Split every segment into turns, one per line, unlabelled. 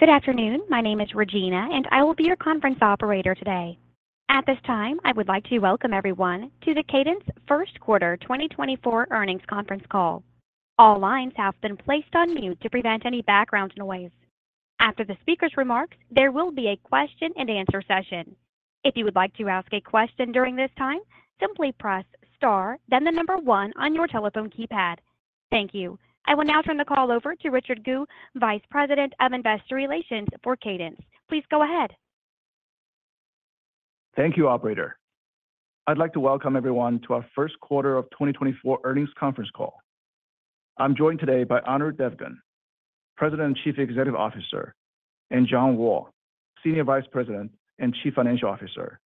Good afternoon, my name is Regina and I will be your conference operator today. At this time I would like to welcome everyone to the Cadence First Quarter 2024 Earnings Conference call. All lines have been placed on mute to prevent any background noise. After the speaker's remarks, there will be a question and answer session. If you would like to ask a question during this time, simply press star then the number one on your telephone keypad. Thank you. I will now turn the call over to Richard Gu, Vice President of Investor Relations for Cadence. Please go ahead.
Thank you, operator. I'd like to welcome everyone to our first quarter of 2024 Earnings Conference call. I'm joined today by Anirudh Devgan, President and Chief Executive Officer, and John Wall, Senior Vice President and Chief Financial Officer.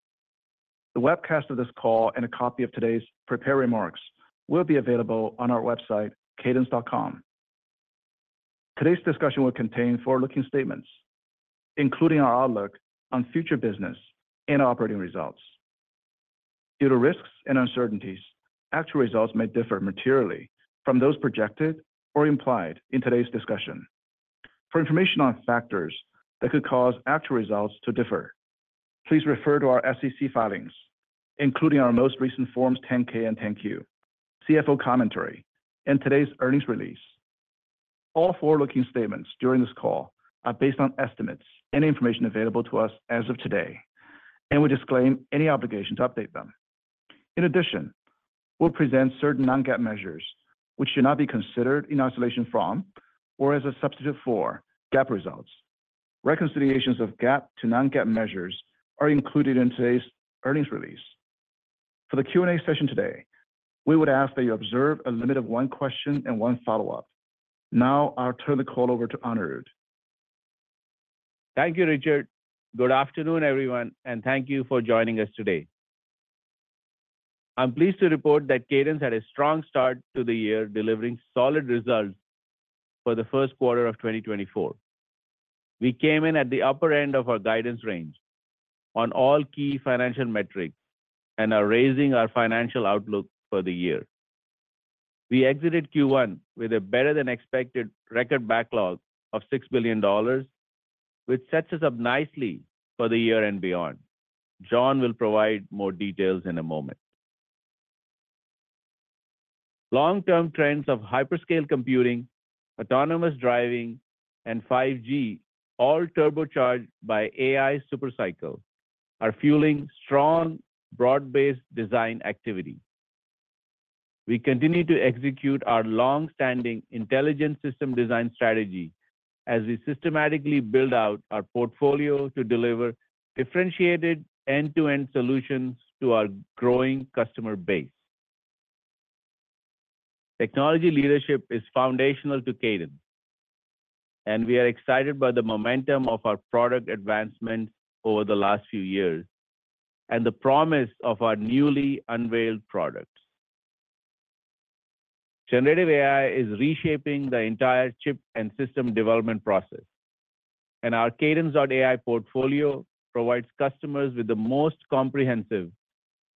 The webcast of this call and a copy of today's prepared remarks will be available on our website, cadence.com. Today's discussion will contain forward-looking statements, including our outlook on future business and operating results. Due to risks and uncertainties, actual results may differ materially from those projected or implied in today's discussion. For information on factors that could cause actual results to differ, please refer to our SEC filings, including our most recent Forms 10-K and 10-Q, CFO commentary, and today's earnings release. All forward-looking statements during this call are based on estimates and information available to us as of today, and we disclaim any obligation to update them. In addition, we'll present certain non-GAAP measures which should not be considered in isolation from or as a substitute for GAAP results. Reconciliations of GAAP to non-GAAP measures are included in today's earnings release. For the Q&A session today, we would ask that you observe a limit of one question and one follow-up. Now I'll turn the call over to Anirudh.
Thank you, Richard. Good afternoon, everyone, and thank you for joining us today. I'm pleased to report that Cadence had a strong start to the year delivering solid results for the first quarter of 2024. We came in at the upper end of our guidance range on all key financial metrics and are raising our financial outlook for the year. We exited Q1 with a better-than-expected record backlog of $6 billion, which sets us up nicely for the year and beyond. John will provide more details in a moment. Long-term trends of hyperscale computing, autonomous driving, and 5G, all turbocharged by AI supercycle, are fueling strong broad-based design activity. We continue to execute our long-standing intelligent system design strategy as we systematically build out our portfolio to deliver differentiated end-to-end solutions to our growing customer base. Technology leadership is foundational to Cadence, and we are excited by the momentum of our product advancements over the last few years and the promise of our newly unveiled products. Generative AI is reshaping the entire chip and system development process, and our Cadence.AI portfolio provides customers with the most comprehensive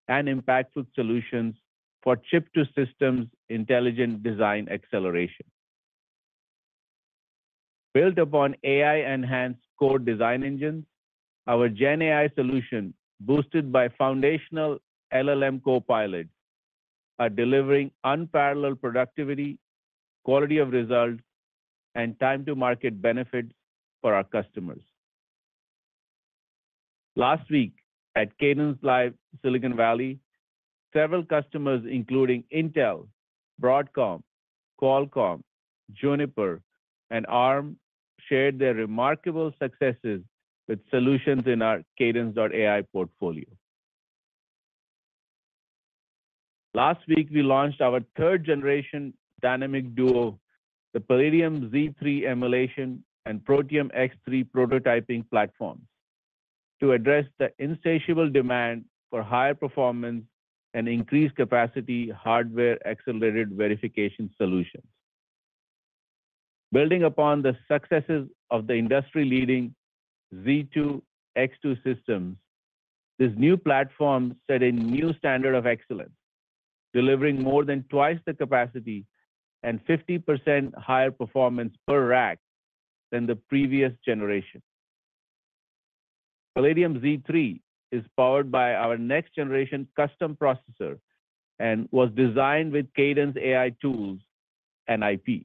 and impactful solutions for chip-to-systems intelligent design acceleration. Built upon AI-enhanced core design engines, our GenAI solution, boosted by foundational LLM co-pilots, are delivering unparalleled productivity, quality of results, and time-to-market benefits for our customers. Last week at CadenceLIVE Silicon Valley, several customers including Intel, Broadcom, Qualcomm, Juniper, and Arm shared their remarkable successes with solutions in our Cadence.AI portfolio. Last week we launched our third-generation Dynamic Duo, the Palladium Z3 emulation and Protium X3 prototyping platforms, to address the insatiable demand for higher performance and increased-capacity hardware-accelerated verification solutions. Building upon the successes of the industry-leading Z2/X2 systems, this new platform set a new standard of excellence, delivering more than twice the capacity and 50% higher performance per rack than the previous generation. Palladium Z3 is powered by our next-generation custom processor and was designed with Cadence AI tools and IP.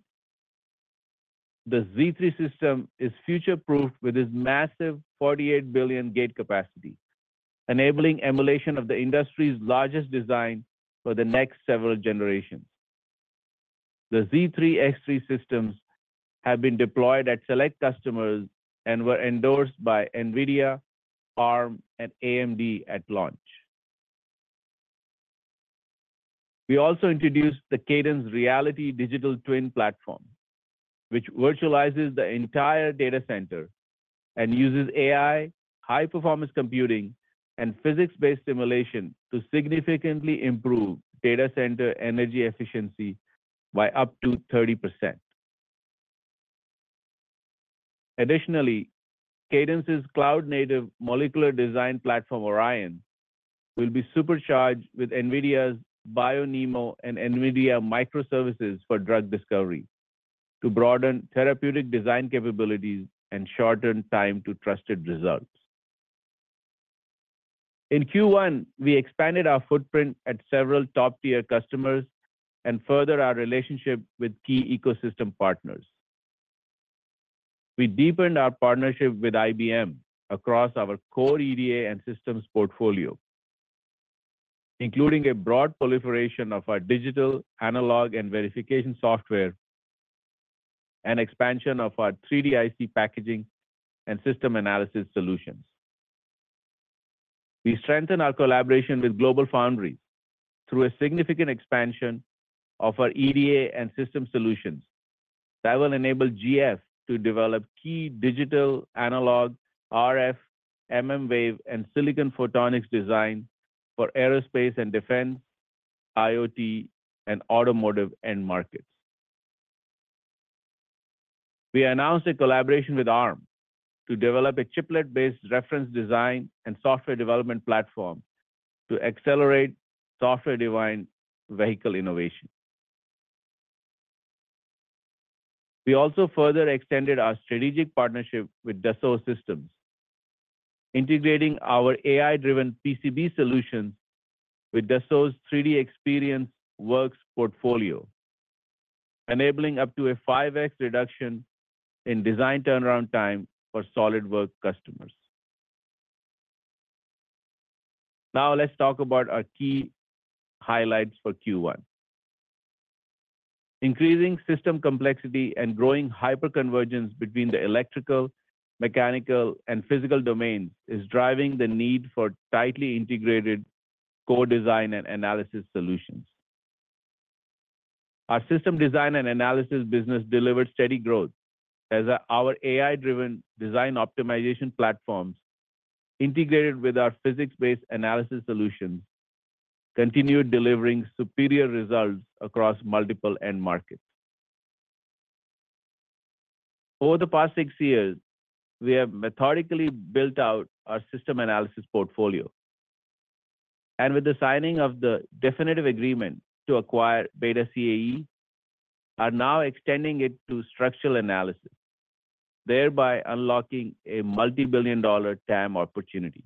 The Z3 system is future-proofed with its massive 48 billion gate capacity, enabling emulation of the industry's largest design for the next several generations. The Z3/X3 systems have been deployed at select customers and were endorsed by NVIDIA, Arm, and AMD at launch. We also introduced the Cadence Reality Digital Twin platform, which virtualizes the entire data center and uses AI, high-performance computing, and physics-based simulation to significantly improve data center energy efficiency by up to 30%. Additionally, Cadence's cloud-native molecular design platform Orion will be supercharged with NVIDIA's BioNeMo and NVIDIA Microservices for Drug Discovery to broaden therapeutic design capabilities and shorten time-to-trusted results. In Q1, we expanded our footprint at several top-tier customers and furthered our relationship with key ecosystem partners. We deepened our partnership with IBM across our core EDA and systems portfolio, including a broad proliferation of our digital, analog, and verification software, and expansion of our 3D IC packaging and system analysis solutions. We strengthened our collaboration with GlobalFoundries through a significant expansion of our EDA and system solutions that will enable GF to develop key digital, analog, RF, mmWave, and silicon photonics designs for aerospace and defense, IoT, and automotive end markets. We announced a collaboration with Arm to develop a chiplet-based reference design and software development platform to accelerate software-defined vehicle innovation. We also further extended our strategic partnership with Dassault Systèmes, integrating our AI-driven PCB solutions with Dassault's 3DEXPERIENCE Works portfolio, enabling up to a 5x reduction in design turnaround time for SolidWorks customers. Now let's talk about our key highlights for Q1. Increasing system complexity and growing hyperconvergence between the electrical, mechanical, and physical domains is driving the need for tightly integrated core design and analysis solutions. Our system design and analysis business delivered steady growth as our AI-driven design optimization platforms, integrated with our physics-based analysis solutions, continued delivering superior results across multiple end markets. Over the past six years, we have methodically built out our system analysis portfolio, and with the signing of the definitive agreement to acquire BETA CAE, are now extending it to structural analysis, thereby unlocking a multi-billion dollar TAM opportunity.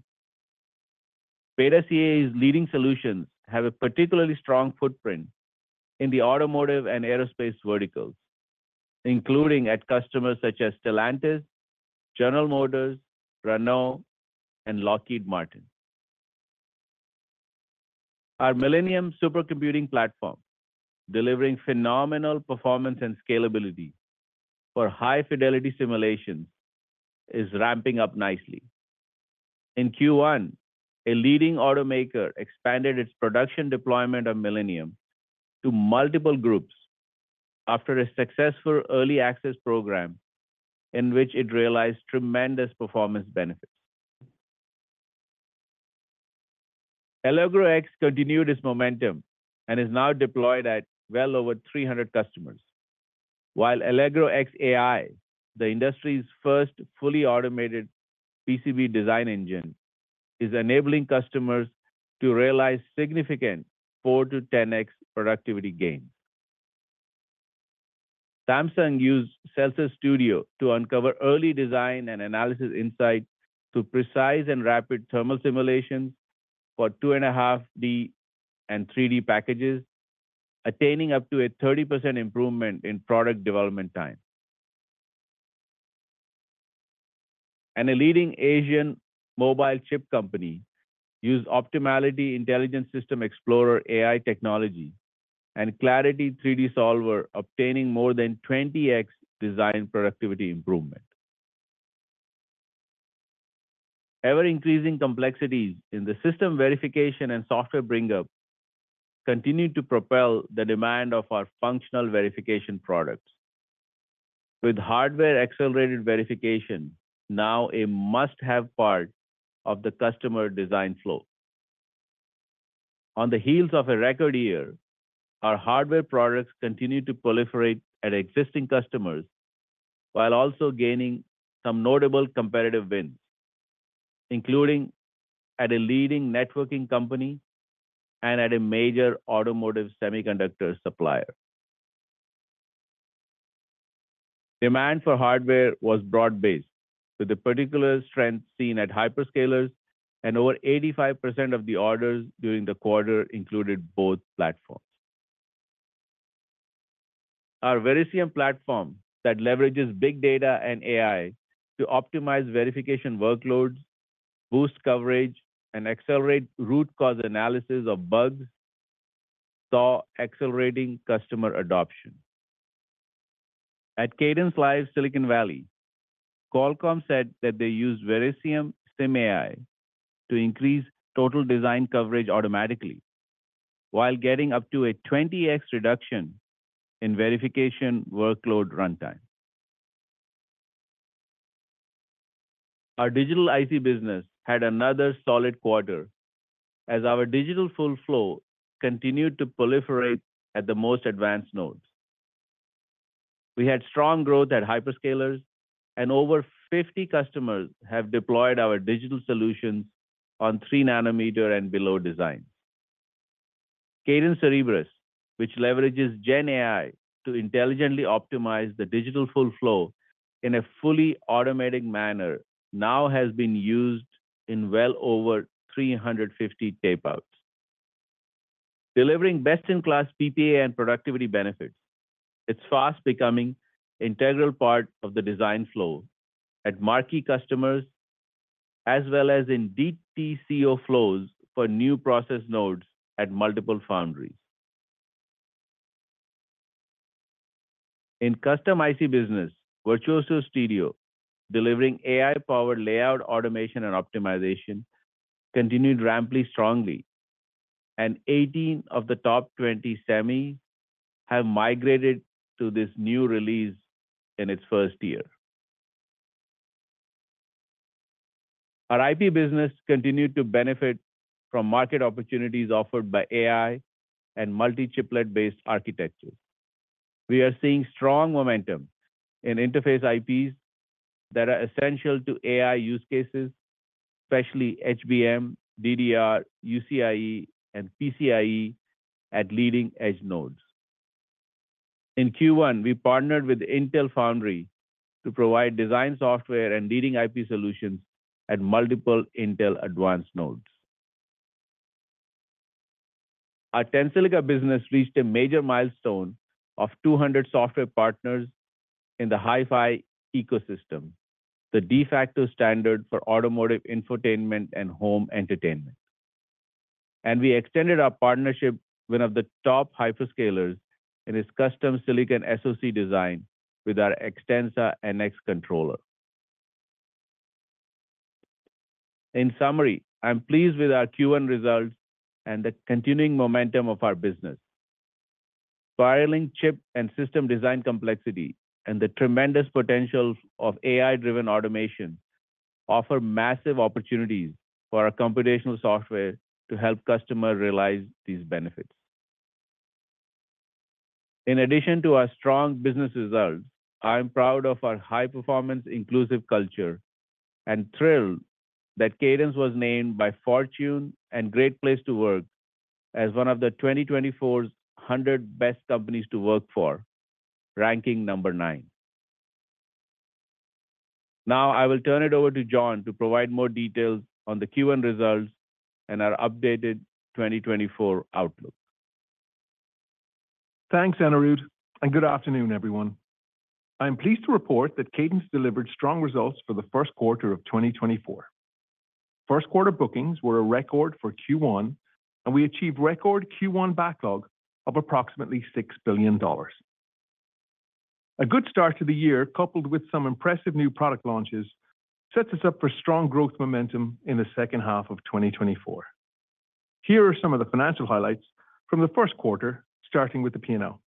CAE Systems' leading solutions have a particularly strong footprint in the automotive and aerospace verticals, including at customers such as Stellantis, General Motors, Renault, and Lockheed Martin. Our Millennium supercomputing platform, delivering phenomenal performance and scalability for high-fidelity simulations, is ramping up nicely. In Q1, a leading automaker expanded its production deployment of Millennium to multiple groups after a successful early access program in which it realized tremendous performance benefits. Allegro X continued its momentum and is now deployed at well over 300 customers, while Allegro X AI, the industry's first fully automated PCB design engine, is enabling customers to realize significant 4-10x productivity gains. Samsung used Celsius Studio to uncover early design and analysis insights to precise and rapid thermal simulations for 2.5D and 3D packages, attaining up to a 30% improvement in product development time. A leading Asian mobile chip company used Optimality Intelligent System Explorer AI technology and Clarity 3D Solver, obtaining more than 20x design productivity improvement. Ever-increasing complexities in the system verification and software bring-up continue to propel the demand of our functional verification products, with hardware-accelerated verification now a must-have part of the customer design flow. On the heels of a record year, our hardware products continue to proliferate at existing customers while also gaining some notable competitive wins, including at a leading networking company and at a major automotive semiconductor supplier. Demand for hardware was broad-based, with a particular strength seen at hyperscalers, and over 85% of the orders during the quarter included both platforms. Our Verisium platform, that leverages big data and AI to optimize verification workloads, boost coverage, and accelerate root cause analysis of bugs, saw accelerating customer adoption. At CadenceLIVE Silicon Valley, Qualcomm said that they used Verisium SimAI to increase total design coverage automatically while getting up to a 20x reduction in verification workload runtime. Our digital IC business had another solid quarter as our digital full flow continued to proliferate at the most advanced nodes. We had strong growth at hyperscalers, and over 50 customers have deployed our digital solutions on 3-nanometer and below designs. Cadence Cerebrus, which leverages GenAI to intelligently optimize the digital full flow in a fully automatic manner, now has been used in well over 350 tapeouts. Delivering best-in-class PPA and productivity benefits, it's fast becoming an integral part of the design flow at marquee customers as well as in DTCO flows for new process nodes at multiple foundries. In custom IC business, Virtuoso Studio, delivering AI-powered layout automation and optimization, continued ramping strongly, and 18 of the top 20 semis have migrated to this new release in its first year. Our IP business continued to benefit from market opportunities offered by AI and multi-chiplet-based architectures. We are seeing strong momentum in interface IPs that are essential to AI use cases, especially HBM, DDR, UCIe, and PCIe at leading edge nodes. In Q1, we partnered with Intel Foundry to provide design software and leading IP solutions at multiple Intel advanced nodes. Our Tensilica business reached a major milestone of 200 software partners in the HiFi ecosystem, the de facto standard for automotive infotainment and home entertainment. We extended our partnership with one of the top hyperscalers in its custom silicon SoC design with our Xtensa NX controller. In summary, I'm pleased with our Q1 results and the continuing momentum of our business. Spiraling chip and system design complexity and the tremendous potential of AI-driven automation offer massive opportunities for our computational software to help customers realize these benefits. In addition to our strong business results, I'm proud of our high-performance inclusive culture and thrilled that Cadence was named by Fortune and Great Place to Work as one of the 2024's 100 Best Companies to Work For, ranking number 9. Now I will turn it over to John to provide more details on the Q1 results and our updated 2024 outlook.
Thanks, Anirudh, and good afternoon, everyone. I am pleased to report that Cadence delivered strong results for the first quarter of 2024. First-quarter bookings were a record for Q1, and we achieved record Q1 backlog of approximately $6 billion. A good start to the year, coupled with some impressive new product launches, sets us up for strong growth momentum in the second half of 2024. Here are some of the financial highlights from the first quarter, starting with the P&L.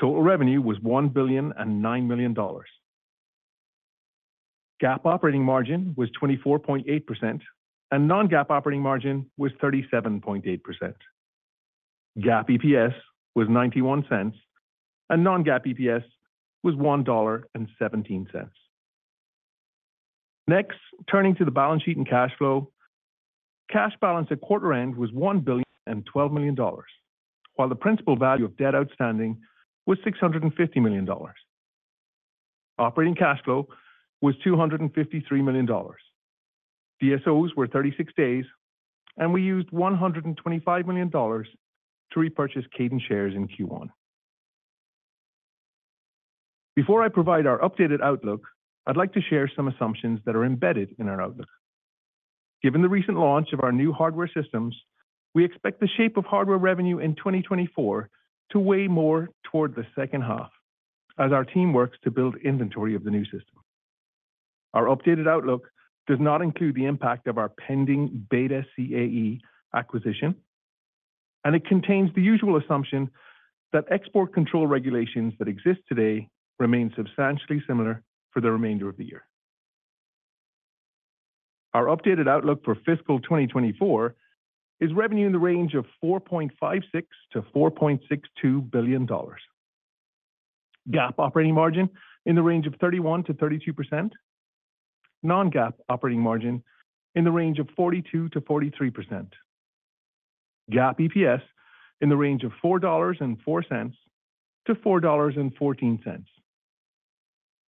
Total revenue was $1.009 billion. GAAP operating margin was 24.8%, and non-GAAP operating margin was 37.8%. GAAP EPS was $0.91, and non-GAAP EPS was $1.17. Next, turning to the balance sheet and cash flow. Cash balance at quarter end was $1.012 billion, while the principal value of debt outstanding was $650 million. Operating cash flow was $253 million. DSOs were 36 days, and we used $125 million to repurchase Cadence shares in Q1. Before I provide our updated outlook, I'd like to share some assumptions that are embedded in our outlook. Given the recent launch of our new hardware systems, we expect the shape of hardware revenue in 2024 to weigh more toward the second half as our team works to build inventory of the new system. Our updated outlook does not include the impact of our pending BETA CAE acquisition, and it contains the usual assumption that export control regulations that exist today remain substantially similar for the remainder of the year. Our updated outlook for fiscal 2024 is revenue in the range of $4.56 billion-$4.62 billion. GAAP operating margin in the range of 31%-32%. Non-GAAP operating margin in the range of 42%-43%. GAAP EPS in the range of $4.04-$4.14.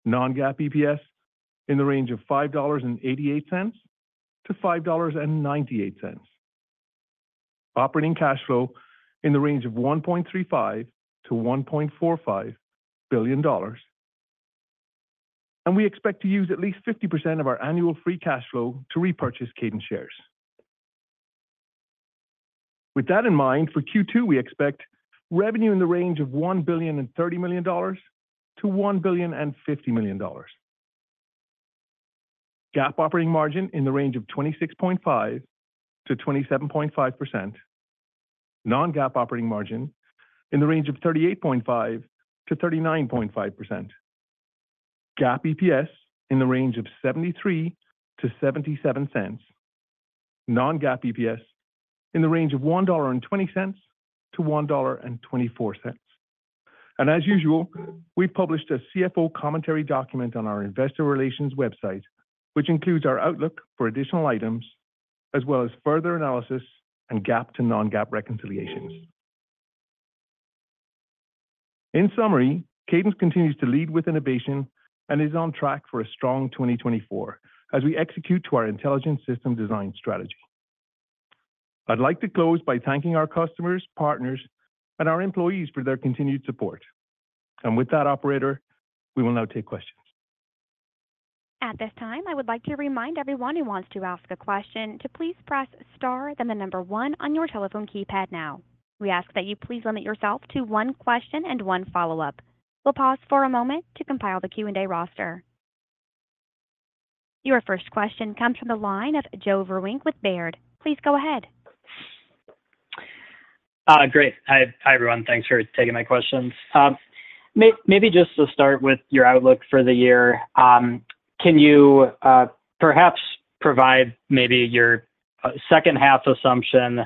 Non-GAAP EPS in the range of $5.88-$5.98. Operating cash flow in the range of $1.35 billion-$1.45 billion. We expect to use at least 50% of our annual free cash flow to repurchase Cadence shares. With that in mind, for Q2, we expect revenue in the range of $1 billion and $30 million-$1 billion and $50 million. GAAP operating margin in the range of 26.5%-27.5%. Non-GAAP operating margin in the range of 38.5%-39.5%. GAAP EPS in the range of $0.73-$0.77. Non-GAAP EPS in the range of $1.20-$1.24. As usual, we've published a CFO commentary document on our investor relations website, which includes our outlook for additional items as well as further analysis and GAAP to non-GAAP reconciliations. In summary, Cadence continues to lead with innovation and is on track for a strong 2024 as we execute to our intelligent system design strategy. I'd like to close by thanking our customers, partners, and our employees for their continued support. With that, operator, we will now take questions.
At this time, I would like to remind everyone who wants to ask a question to please press star, then the number 1 on your telephone keypad now. We ask that you please limit yourself to one question and one follow-up. We'll pause for a moment to compile the Q&A roster. Your first question comes from the line of Joe Vruwink with Baird. Please go ahead.
Great. Hi, everyone. Thanks for taking my questions. Maybe just to start with your outlook for the year, can you perhaps provide maybe your second-half assumption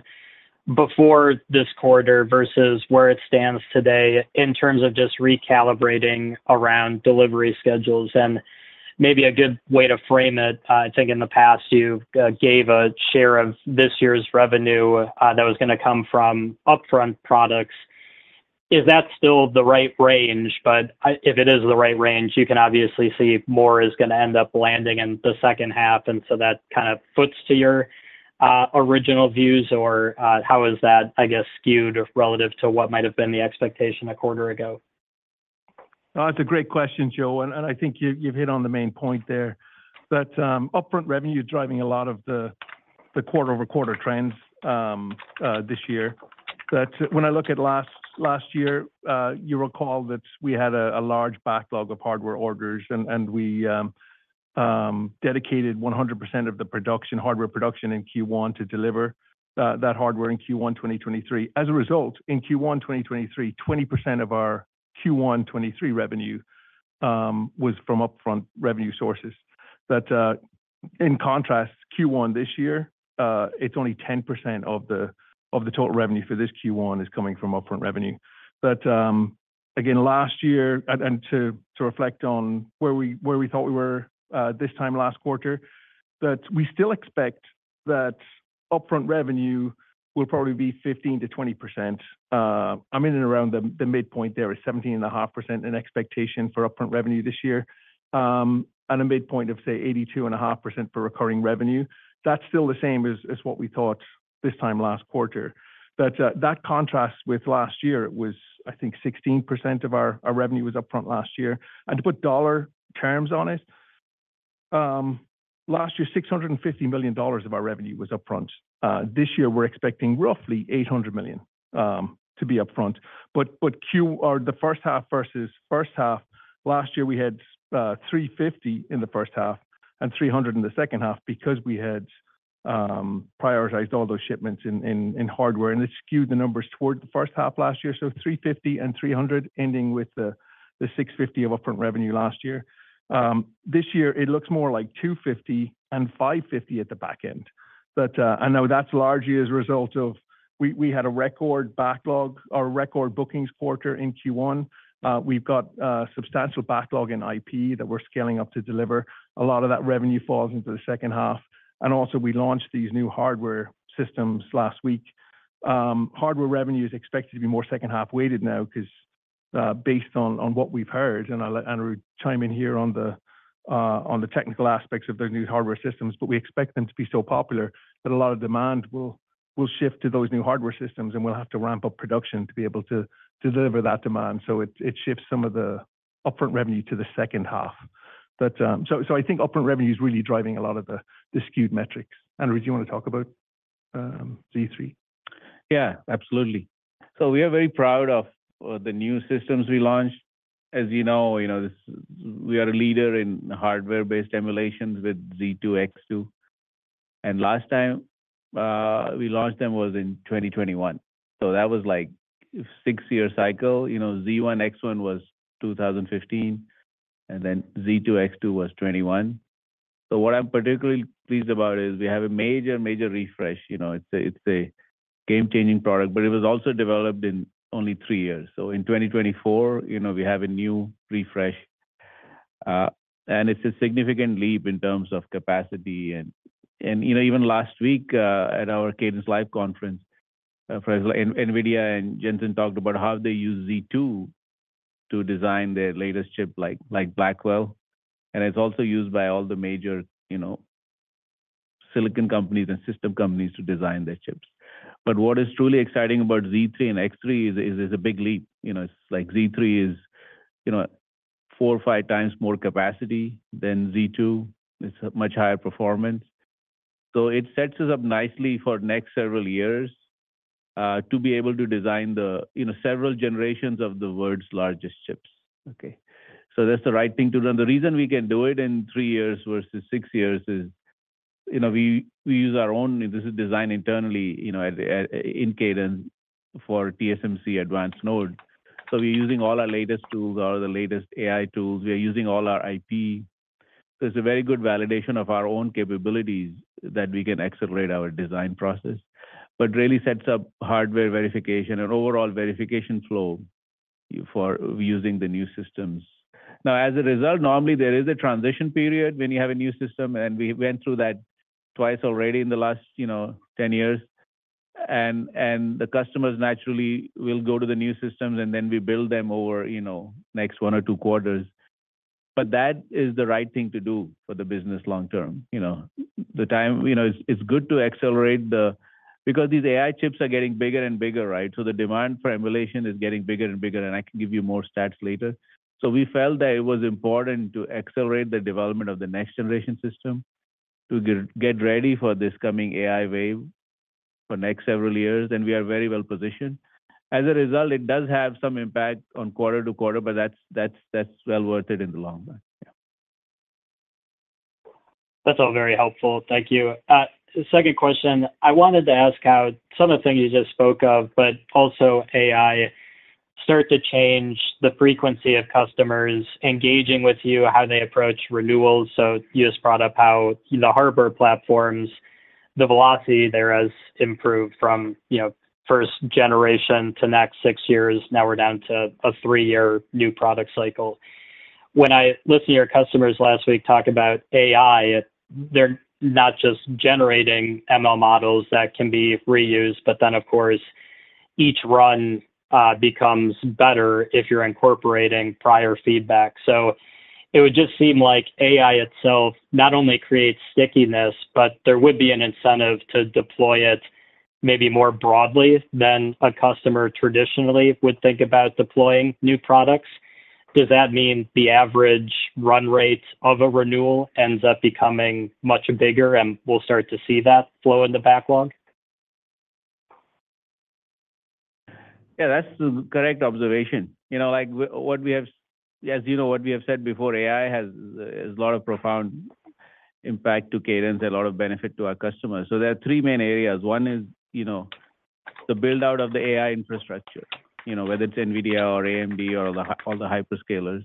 before this quarter versus where it stands today in terms of just recalibrating around delivery schedules? And maybe a good way to frame it, I think in the past you gave a share of this year's revenue that was going to come from upfront products. Is that still the right range? But if it is the right range, you can obviously see more is going to end up landing in the second half. And so that kind of fits to your original views? Or how is that, I guess, skewed relative to what might have been the expectation a quarter ago?
That's a great question, Joe. I think you've hit on the main point there. That upfront revenue is driving a lot of the quarter-over-quarter trends this year. That when I look at last year, you recall that we had a large backlog of hardware orders, and we dedicated 100% of the hardware production in Q1 to deliver that hardware in Q1 2023. As a result, in Q1 2023, 20% of our Q1 2023 revenue was from upfront revenue sources. That in contrast, Q1 this year, it's only 10% of the total revenue for this Q1 is coming from upfront revenue. That again, last year and to reflect on where we thought we were this time last quarter, that we still expect that upfront revenue will probably be 15%-20%. I'm in and around the midpoint there. It's 17.5% in expectation for upfront revenue this year. And a midpoint of, say, 82.5% for recurring revenue. That's still the same as what we thought this time last quarter. That contrasts with last year. It was, I think, 16% of our revenue was upfront last year. And to put dollar terms on it, last year, $650 million of our revenue was upfront. This year, we're expecting roughly $800 million to be upfront. But the first half versus first half, last year we had $350 million in the first half and $300 million in the second half because we had prioritized all those shipments in hardware. And it skewed the numbers toward the first half last year. So $350 million and $300 million, ending with the $650 million of upfront revenue last year. This year, it looks more like $250 million and $550 million at the back end. Now that's largely as a result of we had a record backlog, our record bookings quarter in Q1. We've got substantial backlog in IP that we're scaling up to deliver. A lot of that revenue falls into the second half. Also, we launched these new hardware systems last week. Hardware revenue is expected to be more second-half weighted now because based on what we've heard and I'll let Anirudh chime in here on the technical aspects of those new hardware systems. But we expect them to be so popular that a lot of demand will shift to those new hardware systems, and we'll have to ramp up production to be able to deliver that demand. So it shifts some of the upfront revenue to the second half.
I think upfront revenue is really driving a lot of the skewed metrics. Anirudh, do you want to talk about Z3?
Yeah, absolutely. So we are very proud of the new systems we launched. As you know, we are a leader in hardware-based emulations with Z2, X2. And last time we launched them was in 2021. So that was like six year cycle. Z1, X1 was 2015, and then Z2, X2 was 2021. So what I'm particularly pleased about is we have a major, major refresh. It's a game-changing product. But it was also developed in only three years. So in 2024, we have a new refresh. And it's a significant leap in terms of capacity. And even last week at our CadenceLIVE conference, for example, NVIDIA and Jensen talked about how they use Z2 to design their latest chip, like Blackwell. And it's also used by all the major silicon companies and system companies to design their chips. What is truly exciting about Z3 and X3 is it's a big leap. It's like Z3 is four or five times more capacity than Z2. It's much higher performance. So it sets us up nicely for next several years to be able to design several generations of the world's largest chips. Okay? So that's the right thing to do. And the reason we can do it in three years versus six years is we use our own. This is designed internally in Cadence for TSMC advanced node. So we're using all our latest tools, all the latest AI tools. We are using all our IP. So it's a very good validation of our own capabilities that we can accelerate our design process. But it really sets up hardware verification and overall verification flow for using the new systems. Now, as a result, normally, there is a transition period when you have a new system. We went through that twice already in the last 10 years. The customers naturally will go to the new systems, and then we build them over next one or two quarters. But that is the right thing to do for the business long term. The time it's good to accelerate the because these AI chips are getting bigger and bigger, right? So the demand for emulation is getting bigger and bigger. I can give you more stats later. We felt that it was important to accelerate the development of the next-generation system to get ready for this coming AI wave for next several years. We are very well positioned. As a result, it does have some impact on quarter to quarter, but that's well worth it in the long run. Yeah.
That's all very helpful. Thank you. Second question. I wanted to ask how some of the things you just spoke of, but also AI, start to change the frequency of customers engaging with you, how they approach renewals. So U.S. product, how the hardware platforms, the velocity there has improved from first generation to next six years. Now we're down to a three year new product cycle. When I listened to your customers last week talk about AI, they're not just generating ML models that can be reused. But then, of course, each run becomes better if you're incorporating prior feedback. So it would just seem like AI itself not only creates stickiness, but there would be an incentive to deploy it maybe more broadly than a customer traditionally would think about deploying new products. Does that mean the average run rate of a renewal ends up becoming much bigger? We'll start to see that flow in the backlog?
Yeah, that's the correct observation. As you know, what we have said before, AI has a lot of profound impact to Cadence and a lot of benefit to our customers. There are three main areas. One is the build-out of the AI infrastructure, whether it's NVIDIA or AMD or all the hyperscalers.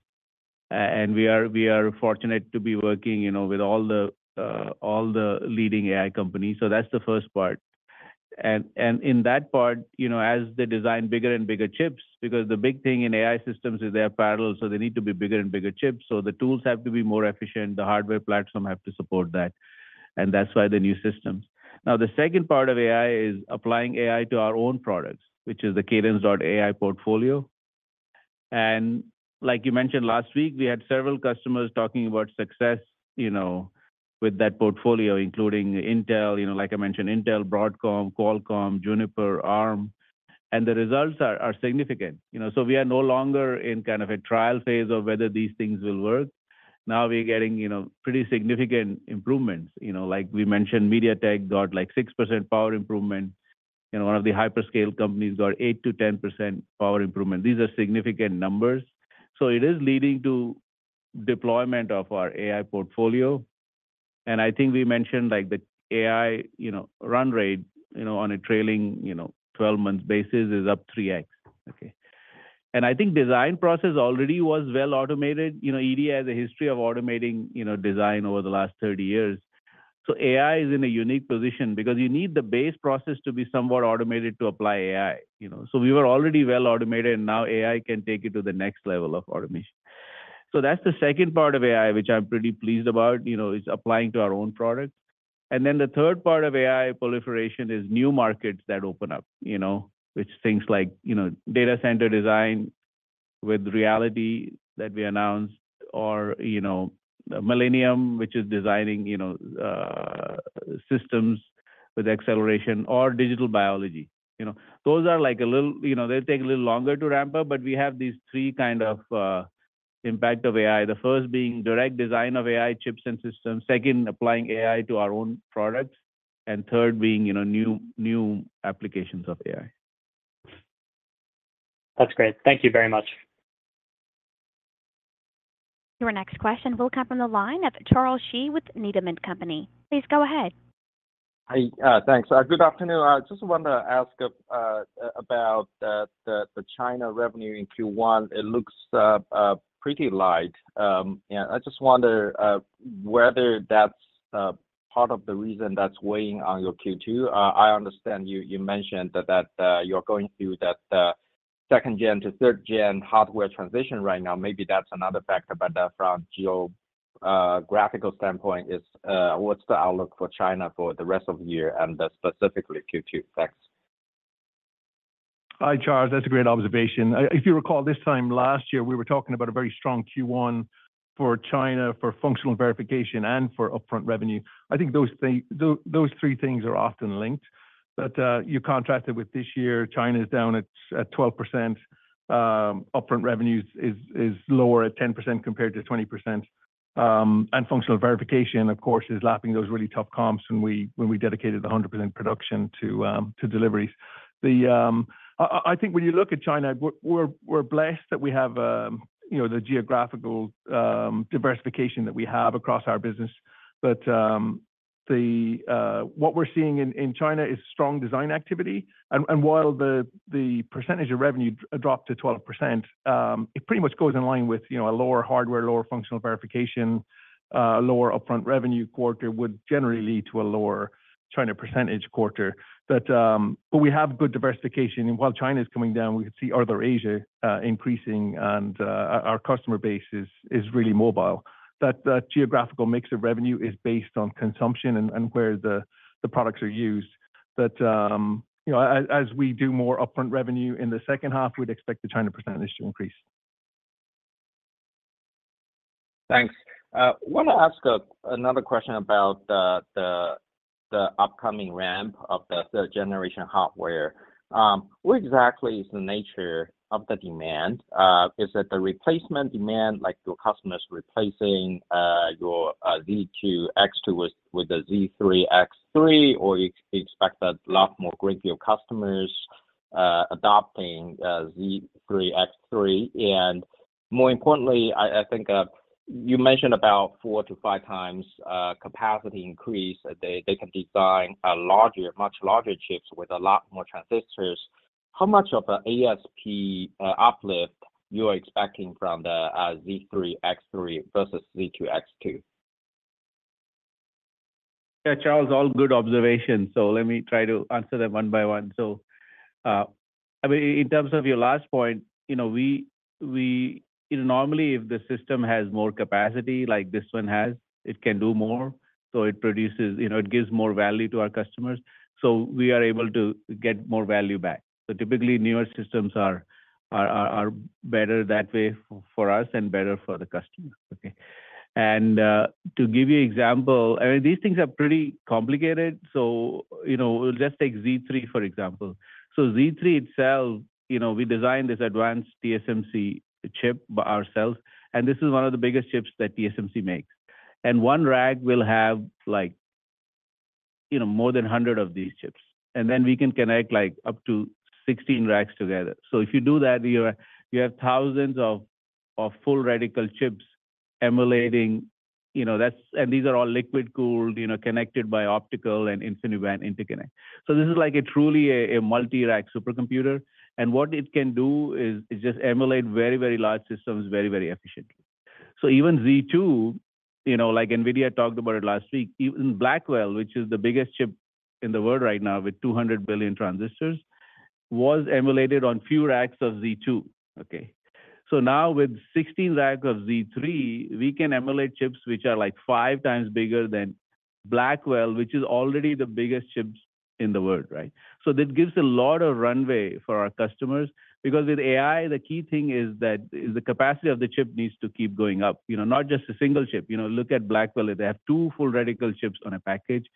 We are fortunate to be working with all the leading AI companies. That's the first part. In that part, as they design bigger and bigger chips because the big thing in AI systems is they are parallel. They need to be bigger and bigger chips. The tools have to be more efficient. The hardware platform have to support that. That's why the new systems. Now, the second part of AI is applying AI to our own products, which is the Cadence.AI portfolio. Like you mentioned last week, we had several customers talking about success with that portfolio, including Intel. Like I mentioned, Intel, Broadcom, Qualcomm, Juniper, Arm. The results are significant. We are no longer in kind of a trial phase of whether these things will work. Now we're getting pretty significant improvements. Like we mentioned, MediaTek got like 6% power improvement. One of the hyperscale companies got 8%-10% power improvement. These are significant numbers. It is leading to deployment of our AI portfolio. I think we mentioned the AI run rate on a trailing 12-month basis is up 3x. Okay? I think the design process already was well automated. EDA has a history of automating design over the last 30 years. AI is in a unique position because you need the base process to be somewhat automated to apply AI. So we were already well automated. And now AI can take it to the next level of automation. So that's the second part of AI, which I'm pretty pleased about. It's applying to our own products. And then the third part of AI proliferation is new markets that open up, which things like data center design with Reality that we announced or Millennium, which is designing systems with acceleration or digital biology. Those are like, they take a little longer to ramp up. But we have these three kind of impact of AI, the first being direct design of AI chips and systems, second applying AI to our own products, and third being new applications of AI.
That's great. Thank you very much.
Your next question will come from the line of Charles Shi with Needham & Company. Please go ahead.
Hi. Thanks. Good afternoon. I just want to ask about the China revenue in Q1. It looks pretty light. I just wonder whether that's part of the reason that's weighing on your Q2. I understand you mentioned that you're going through that second-gen to third-gen hardware transition right now. Maybe that's another factor. But from a geographical standpoint, what's the outlook for China for the rest of the year and specifically Q2? Thanks.
Hi, Charles. That's a great observation. If you recall, this time last year, we were talking about a very strong Q1 for China for functional verification and for upfront revenue. I think those three things are often linked. But contrasted with this year. China is down at 12%. Upfront revenue is lower at 10% compared to 20%. And functional verification, of course, is lapping those really tough comps when we dedicated 100% production to deliveries. I think when you look at China, we're blessed that we have the geographical diversification that we have across our business. But what we're seeing in China is strong design activity. And while the percentage of revenue dropped to 12%, it pretty much goes in line with a lower hardware, lower functional verification, lower upfront revenue quarter would generally lead to a lower China percentage quarter. But we have good diversification. While China is coming down, we could see other Asia increasing. Our customer base is really mobile. That geographical mix of revenue is based on consumption and where the products are used. As we do more upfront revenue in the second half, we'd expect the China percentage to increase.
Thanks. I want to ask another question about the upcoming ramp of the third-generation hardware. What exactly is the nature of the demand? Is it the replacement demand? Like your customers replacing your Z2, X2 with the Z3, X3? Or you expect a lot more great deal of customers adopting Z3, X3? And more importantly, I think you mentioned about 4-5 times capacity increase. They can design much larger chips with a lot more transistors. How much of an ASP uplift you are expecting from the Z3, X3 versus Z2, X2?
Yeah, Charles. All good observations. So let me try to answer them one by one. So I mean, in terms of your last point, normally, if the system has more capacity like this one has, it can do more. So it gives more value to our customers. So we are able to get more value back. So typically, newer systems are better that way for us and better for the customer. Okay? And to give you an example, I mean, these things are pretty complicated. So we'll just take Z3, for example. So Z3 itself, we designed this advanced TSMC chip ourselves. And this is one of the biggest chips that TSMC makes. And one rack will have more than 100 of these chips. And then we can connect up to 16 racks together. So if you do that, you have thousands of full-scale chips emulating. These are all liquid-cooled, connected by optical and InfiniBand interconnect. So this is like truly a multi-rack supercomputer. And what it can do is just emulate very, very large systems very, very efficiently. So even Z2, like NVIDIA talked about it last week, even Blackwell, which is the biggest chip in the world right now with 200 billion transistors, was emulated on a few racks of Z2. Okay? So now with 16 racks of Z3, we can emulate chips which are like 5 times bigger than Blackwell, which is already the biggest chips in the world, right? So that gives a lot of runway for our customers. Because with AI, the key thing is that the capacity of the chip needs to keep going up, not just a single chip. Look at Blackwell. They have two full-reticle chips on a package.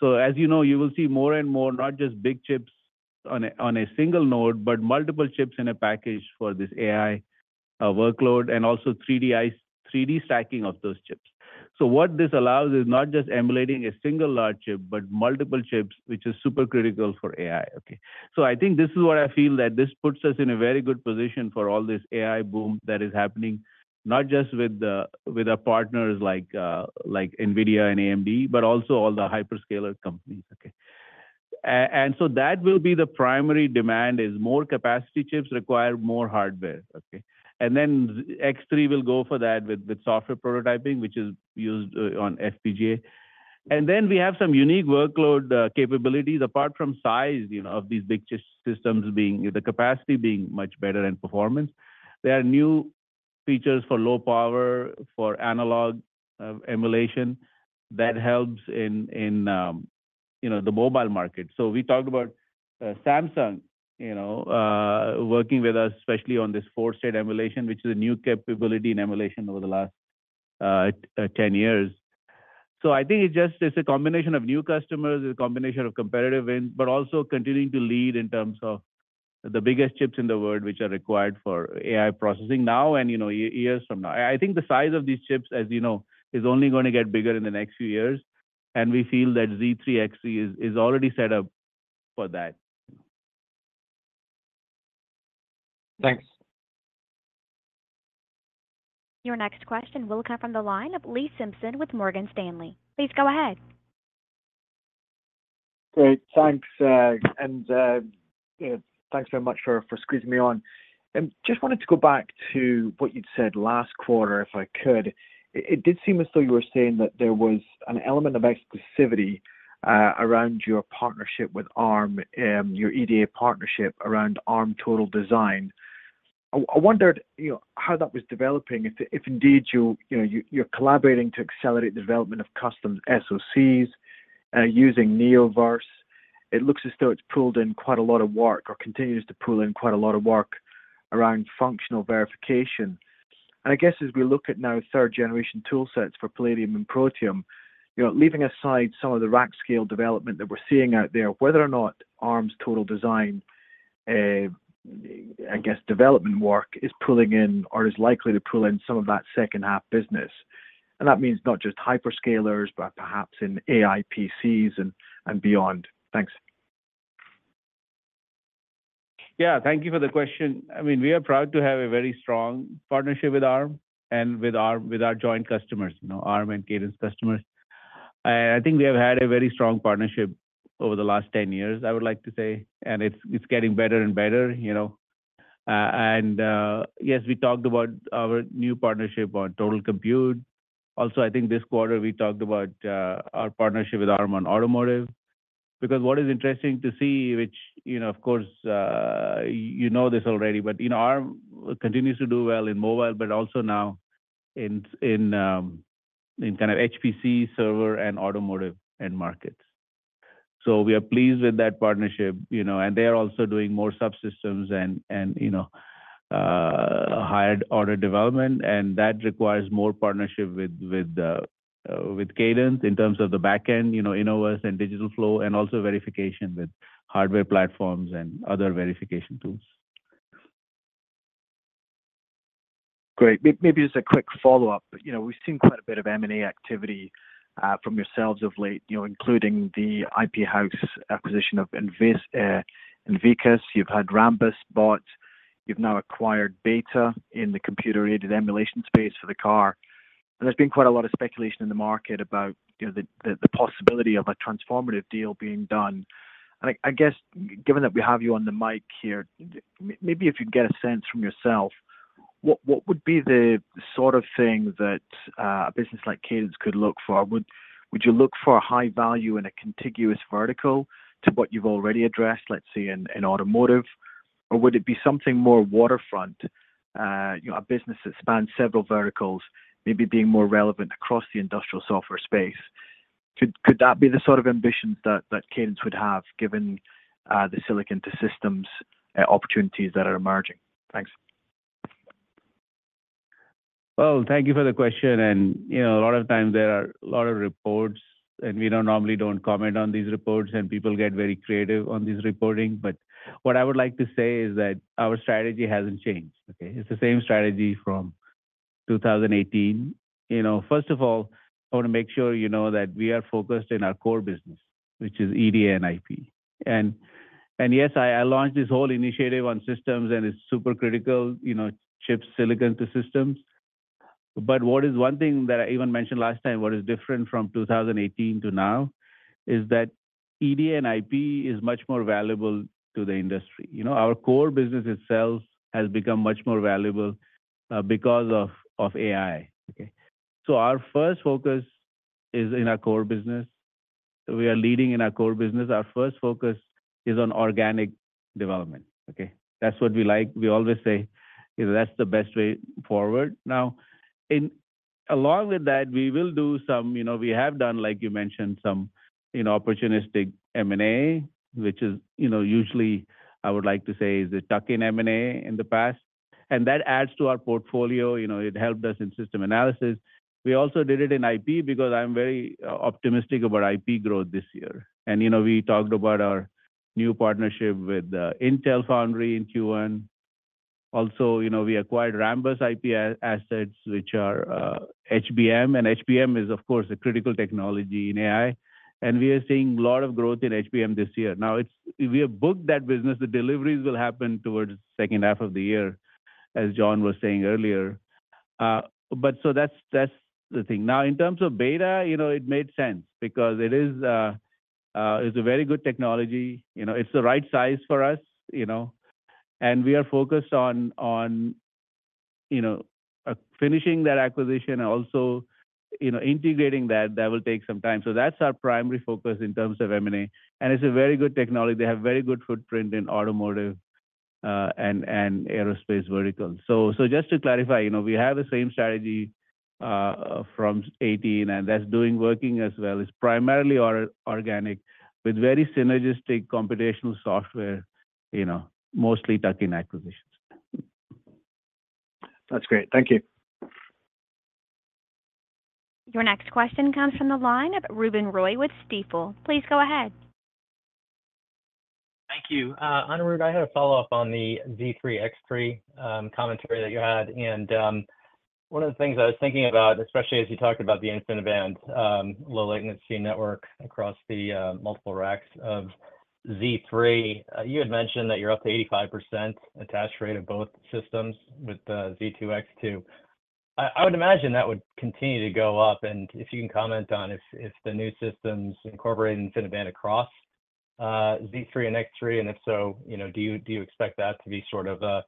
So as you know, you will see more and more, not just big chips on a single node, but multiple chips in a package for this AI workload and also 3D stacking of those chips. So what this allows is not just emulating a single large chip, but multiple chips, which is super critical for AI. Okay? So I think this is what I feel that this puts us in a very good position for all this AI boom that is happening, not just with our partners like NVIDIA and AMD, but also all the hyperscaler companies. Okay? And so that will be the primary demand is more capacity chips require more hardware. Okay? And then X3 will go for that with software prototyping, which is used on FPGA. And then we have some unique workload capabilities apart from size of these big systems being the capacity being much better and performance. There are new features for low power, for analog emulation that helps in the mobile market. So we talked about Samsung working with us, especially on this four-stage emulation, which is a new capability in emulation over the last 10 years. So I think it's just a combination of new customers, a combination of competitive wins, but also continuing to lead in terms of the biggest chips in the world which are required for AI processing now and years from now. I think the size of these chips, as you know, is only going to get bigger in the next few years. And we feel that Z3, X3 is already set up for that.
Thanks.
Your next question will come from the line of Lee Simpson with Morgan Stanley. Please go ahead.
Great. Thanks. And thanks very much for squeezing me in. And just wanted to go back to what you'd said last quarter, if I could. It did seem as though you were saying that there was an element of exclusivity around your partnership with Arm, your EDA partnership around Arm Total Design. I wondered how that was developing, if indeed you're collaborating to accelerate the development of custom SoCs using Neoverse. It looks as though it's pulled in quite a lot of work or continues to pull in quite a lot of work around functional verification. And I guess as we look at now third-generation toolsets for Palladium and Protium, leaving aside some of the rack-scale development that we're seeing out there, whether or not Arm's Total Design, I guess, development work is pulling in or is likely to pull in some of that second-half business. That means not just hyperscalers, but perhaps in AI PCs and beyond. Thanks.
Yeah. Thank you for the question. I mean, we are proud to have a very strong partnership with Arm and with our joint customers, Arm and Cadence customers. And I think we have had a very strong partnership over the last 10 years, I would like to say. And it's getting better and better. And yes, we talked about our new partnership on Total Compute. Also, I think this quarter, we talked about our partnership with Arm on automotive. Because what is interesting to see, which, of course, you know this already, but Arm continues to do well in mobile, but also now in kind of HPC server and automotive markets. So we are pleased with that partnership. And they are also doing more subsystems and higher-order development. That requires more partnership with Cadence in terms of the backend, Innovus and digital flow, and also verification with hardware platforms and other verification tools.
Great. Maybe just a quick follow-up. We've seen quite a bit of M&A activity from yourselves of late, including the IP house acquisition of Invecas. You've had Rambus bought. You've now acquired BETA CAE Systems in the computer-aided emulation space for the car. There's been quite a lot of speculation in the market about the possibility of a transformative deal being done. I guess, given that we have you on the mic here, maybe if you can get a sense from yourself, what would be the sort of thing that a business like Cadence could look for? Would you look for high value in a contiguous vertical to what you've already addressed, let's say, in automotive? Or would it be something more waterfront, a business that spans several verticals, maybe being more relevant across the industrial software space? Could that be the sort of ambitions that Cadence would have given the silicon-to-systems opportunities that are emerging? Thanks.
Well, thank you for the question. A lot of times, there are a lot of reports. We normally don't comment on these reports. People get very creative on this reporting. But what I would like to say is that our strategy hasn't changed. Okay? It's the same strategy from 2018. First of all, I want to make sure that we are focused in our core business, which is EDA and IP. Yes, I launched this whole initiative on systems. It's super critical, chips, silicon-to-systems. But what is one thing that I even mentioned last time, what is different from 2018 to now, is that EDA and IP is much more valuable to the industry. Our core business itself has become much more valuable because of AI. Okay? Our first focus is in our core business. We are leading in our core business. Our first focus is on organic development. Okay? That's what we like. We always say that's the best way forward. Now, along with that, we will do some we have done, like you mentioned, some opportunistic M&A, which usually, I would like to say, is the tuck-in M&A in the past. That adds to our portfolio. It helped us in system analysis. We also did it in IP because I'm very optimistic about IP growth this year. We talked about our new partnership with Intel Foundry in Q1. Also, we acquired Rambus IP assets, which are HBM. HBM is, of course, a critical technology in AI. We are seeing a lot of growth in HBM this year. Now, we have booked that business. The deliveries will happen towards the second half of the year, as John was saying earlier. That's the thing. Now, in terms of BETA, it made sense because it is a very good technology. It's the right size for us. And we are focused on finishing that acquisition and also integrating that. That will take some time. So that's our primary focus in terms of M&A. And it's a very good technology. They have a very good footprint in automotive and aerospace verticals. So just to clarify, we have the same strategy from 2018. And that's working as well. It's primarily organic with very synergistic computational software, mostly tuck-in acquisitions.
That's great. Thank you.
Your next question comes from the line of Ruben Roy with Stifel. Please go ahead.
Thank you. Anirudh, I had a follow-up on the Z3, X3 commentary that you had. And one of the things I was thinking about, especially as you talked about the InfiniBand low-latency network across the multiple racks of Z3, you had mentioned that you're up to 85% attached rate of both systems with the Z2, X2. I would imagine that would continue to go up. And if you can comment on if the new systems incorporate InfiniBand across Z3 and X3, and if so, do you expect that to be sort of a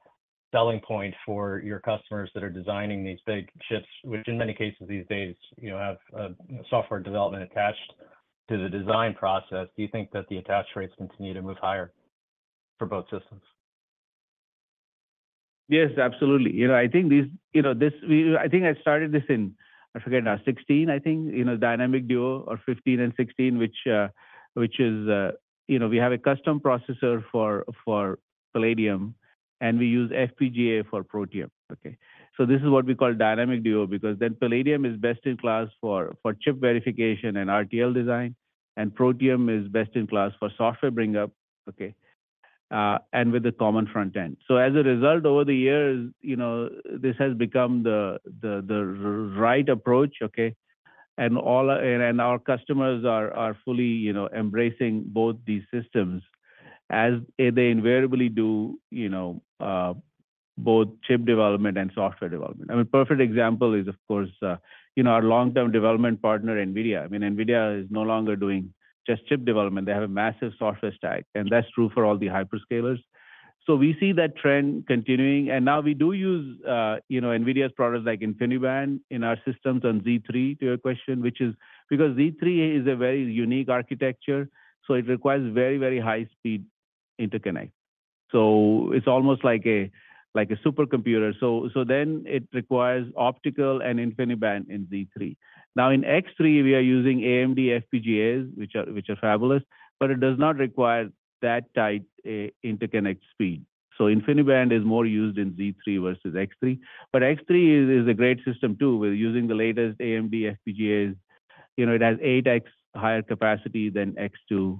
selling point for your customers that are designing these big chips, which in many cases these days have software development attached to the design process? Do you think that the attached rates continue to move higher for both systems?
Yes, absolutely. I think I started this in—I forget now—2016, I think, Dynamic Duo or 2015 and 2016, which is we have a custom processor for Palladium. And we use FPGA for Protium. Okay? So this is what we call Dynamic Duo because then Palladium is best in class for chip verification and RTL design. And Protium is best in class for software bring-up, okay, and with the common front end. So as a result, over the years, this has become the right approach, okay? And our customers are fully embracing both these systems as they invariably do both chip development and software development. I mean, a perfect example is, of course, our long-term development partner, NVIDIA. I mean, NVIDIA is no longer doing just chip development. They have a massive software stack. And that's true for all the hyperscalers. So we see that trend continuing. And now, we do use NVIDIA's products like InfiniBand in our systems on Z3, to your question, which is because Z3 is a very unique architecture. So it requires very, very high-speed interconnect. So it's almost like a supercomputer. So then it requires optical and InfiniBand in Z3. Now, in X3, we are using AMD FPGAs, which are fabulous. But it does not require that tight interconnect speed. So InfiniBand is more used in Z3 versus X3. But X3 is a great system too, using the latest AMD FPGAs. It has 8x higher capacity than X2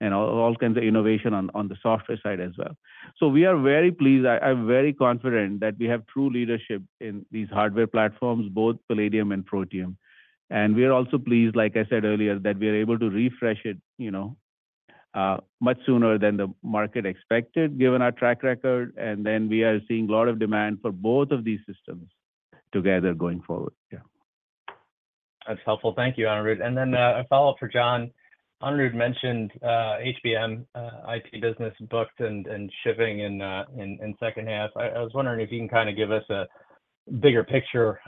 and all kinds of innovation on the software side as well. So we are very pleased. I'm very confident that we have true leadership in these hardware platforms, both Palladium and Protium. And we are also pleased, like I said earlier, that we are able to refresh it much sooner than the market expected given our track record. And then we are seeing a lot of demand for both of these systems together going forward. Yeah.
That's helpful. Thank you, Anirudh. And then a follow-up for John. Anirudh mentioned HBM IP business booked and shipping in second half. I was wondering if you can kind of give us a bigger picture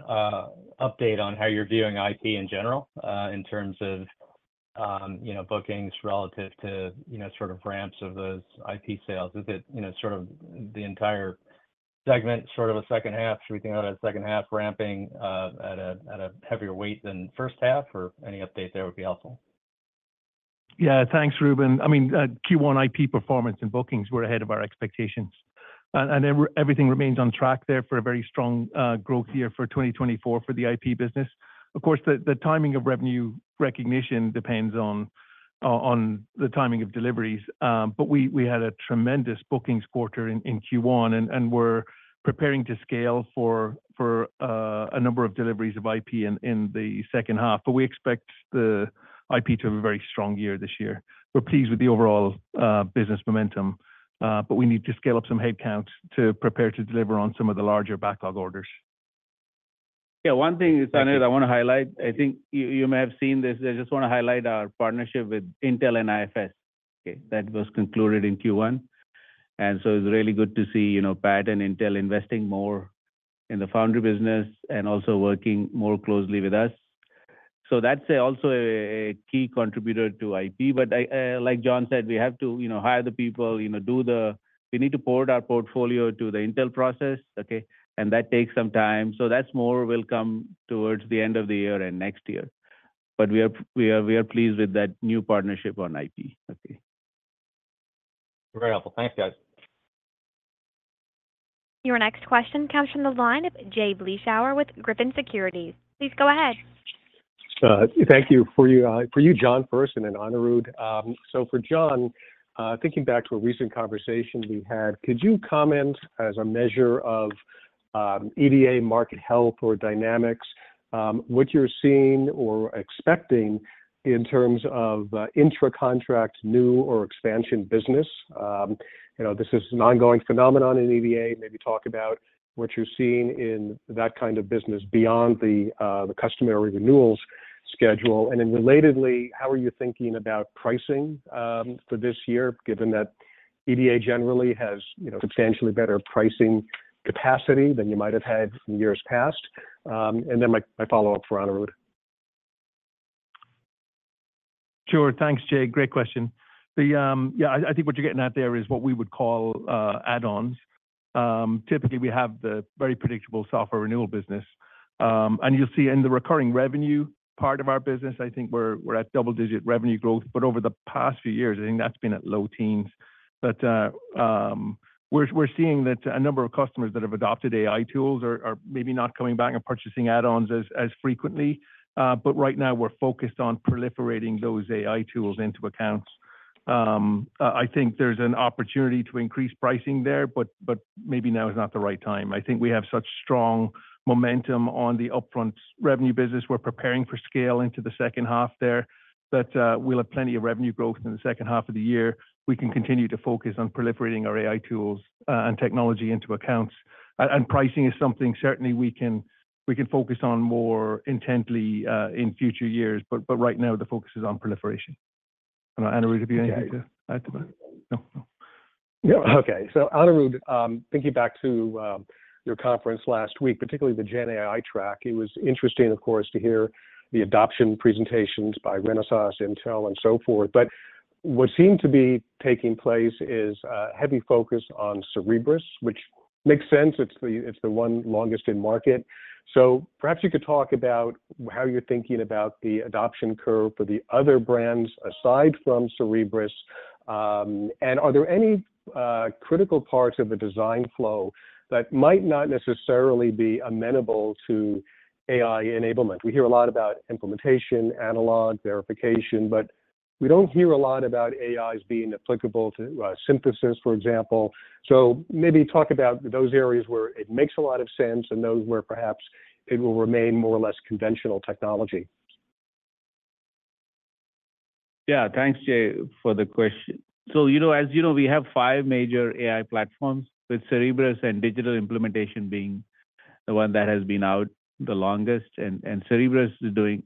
update on how you're viewing IP in general in terms of bookings relative to sort of ramps of those IP sales. Is it sort of the entire segment, sort of a second half? Should we think about a second half ramping at a heavier weight than first half? Or any update there would be helpful.
Yeah. Thanks, Ruben. I mean, Q1 IP performance and bookings were ahead of our expectations. Everything remains on track there for a very strong growth year for 2024 for the IP business. Of course, the timing of revenue recognition depends on the timing of deliveries. We had a tremendous bookings quarter in Q1. We're preparing to scale for a number of deliveries of IP in the second half. We expect the IP to have a very strong year this year. We're pleased with the overall business momentum. We need to scale up some headcount to prepare to deliver on some of the larger backlog orders.
Yeah. One thing is, Anirudh, I want to highlight. I think you may have seen this. I just want to highlight our partnership with Intel and IFS that was concluded in Q1. And so it's really good to see Pat and Intel investing more in the foundry business and also working more closely with us. So that's also a key contributor to IP. But like John said, we have to hire the people, we need to port our portfolio to the Intel process, okay? And that takes some time. So that's more will come towards the end of the year and next year. But we are pleased with that new partnership on IP. Okay.
Very helpful. Thanks, guys.
Your next question comes from the line of Jay Vleeschhouwer with Griffin Securities. Please go ahead.
Thank you to you, John, first, and Anirudh. So for John, thinking back to a recent conversation we had, could you comment, as a measure of EDA market health or dynamics, what you're seeing or expecting in terms of intracontract new or expansion business? This is an ongoing phenomenon in EDA. Maybe talk about what you're seeing in that kind of business beyond the customary renewals schedule. And then relatedly, how are you thinking about pricing for this year, given that EDA generally has substantially better pricing capacity than you might have had in years past? And then my follow-up for Anirudh.
Sure. Thanks, Jay. Great question. Yeah, I think what you're getting at there is what we would call add-ons. Typically, we have the very predictable software renewal business. And you'll see in the recurring revenue part of our business, I think we're at double-digit revenue growth. But over the past few years, I think that's been at low teens. But we're seeing that a number of customers that have adopted AI tools are maybe not coming back and purchasing add-ons as frequently. But right now, we're focused on proliferating those AI tools into accounts. I think there's an opportunity to increase pricing there. But maybe now is not the right time. I think we have such strong momentum on the upfront revenue business. We're preparing for scale into the second half there. But we'll have plenty of revenue growth in the second half of the year. We can continue to focus on proliferating our AI tools and technology into accounts. Pricing is something certainly we can focus on more intently in future years. Right now, the focus is on proliferation. Anirudh, have you anything to add to that?
Yeah. Okay. So Anirudh, thinking back to your conference last week, particularly the GenAI track, it was interesting, of course, to hear the adoption presentations by Renesas, Intel, and so forth. But what seemed to be taking place is a heavy focus on Cerebrus, which makes sense. It's the one longest in market. So perhaps you could talk about how you're thinking about the adoption curve for the other brands aside from Cerebrus. And are there any critical parts of the design flow that might not necessarily be amenable to AI enablement? We hear a lot about implementation, analog verification. But we don't hear a lot about AIs being applicable to synthesis, for example. So maybe talk about those areas where it makes a lot of sense and those where perhaps it will remain more or less conventional technology.
Yeah. Thanks, Jay, for the question. So as you know, we have five major AI platforms, with Cerebrus and digital implementation being the one that has been out the longest. And Cerebrus is doing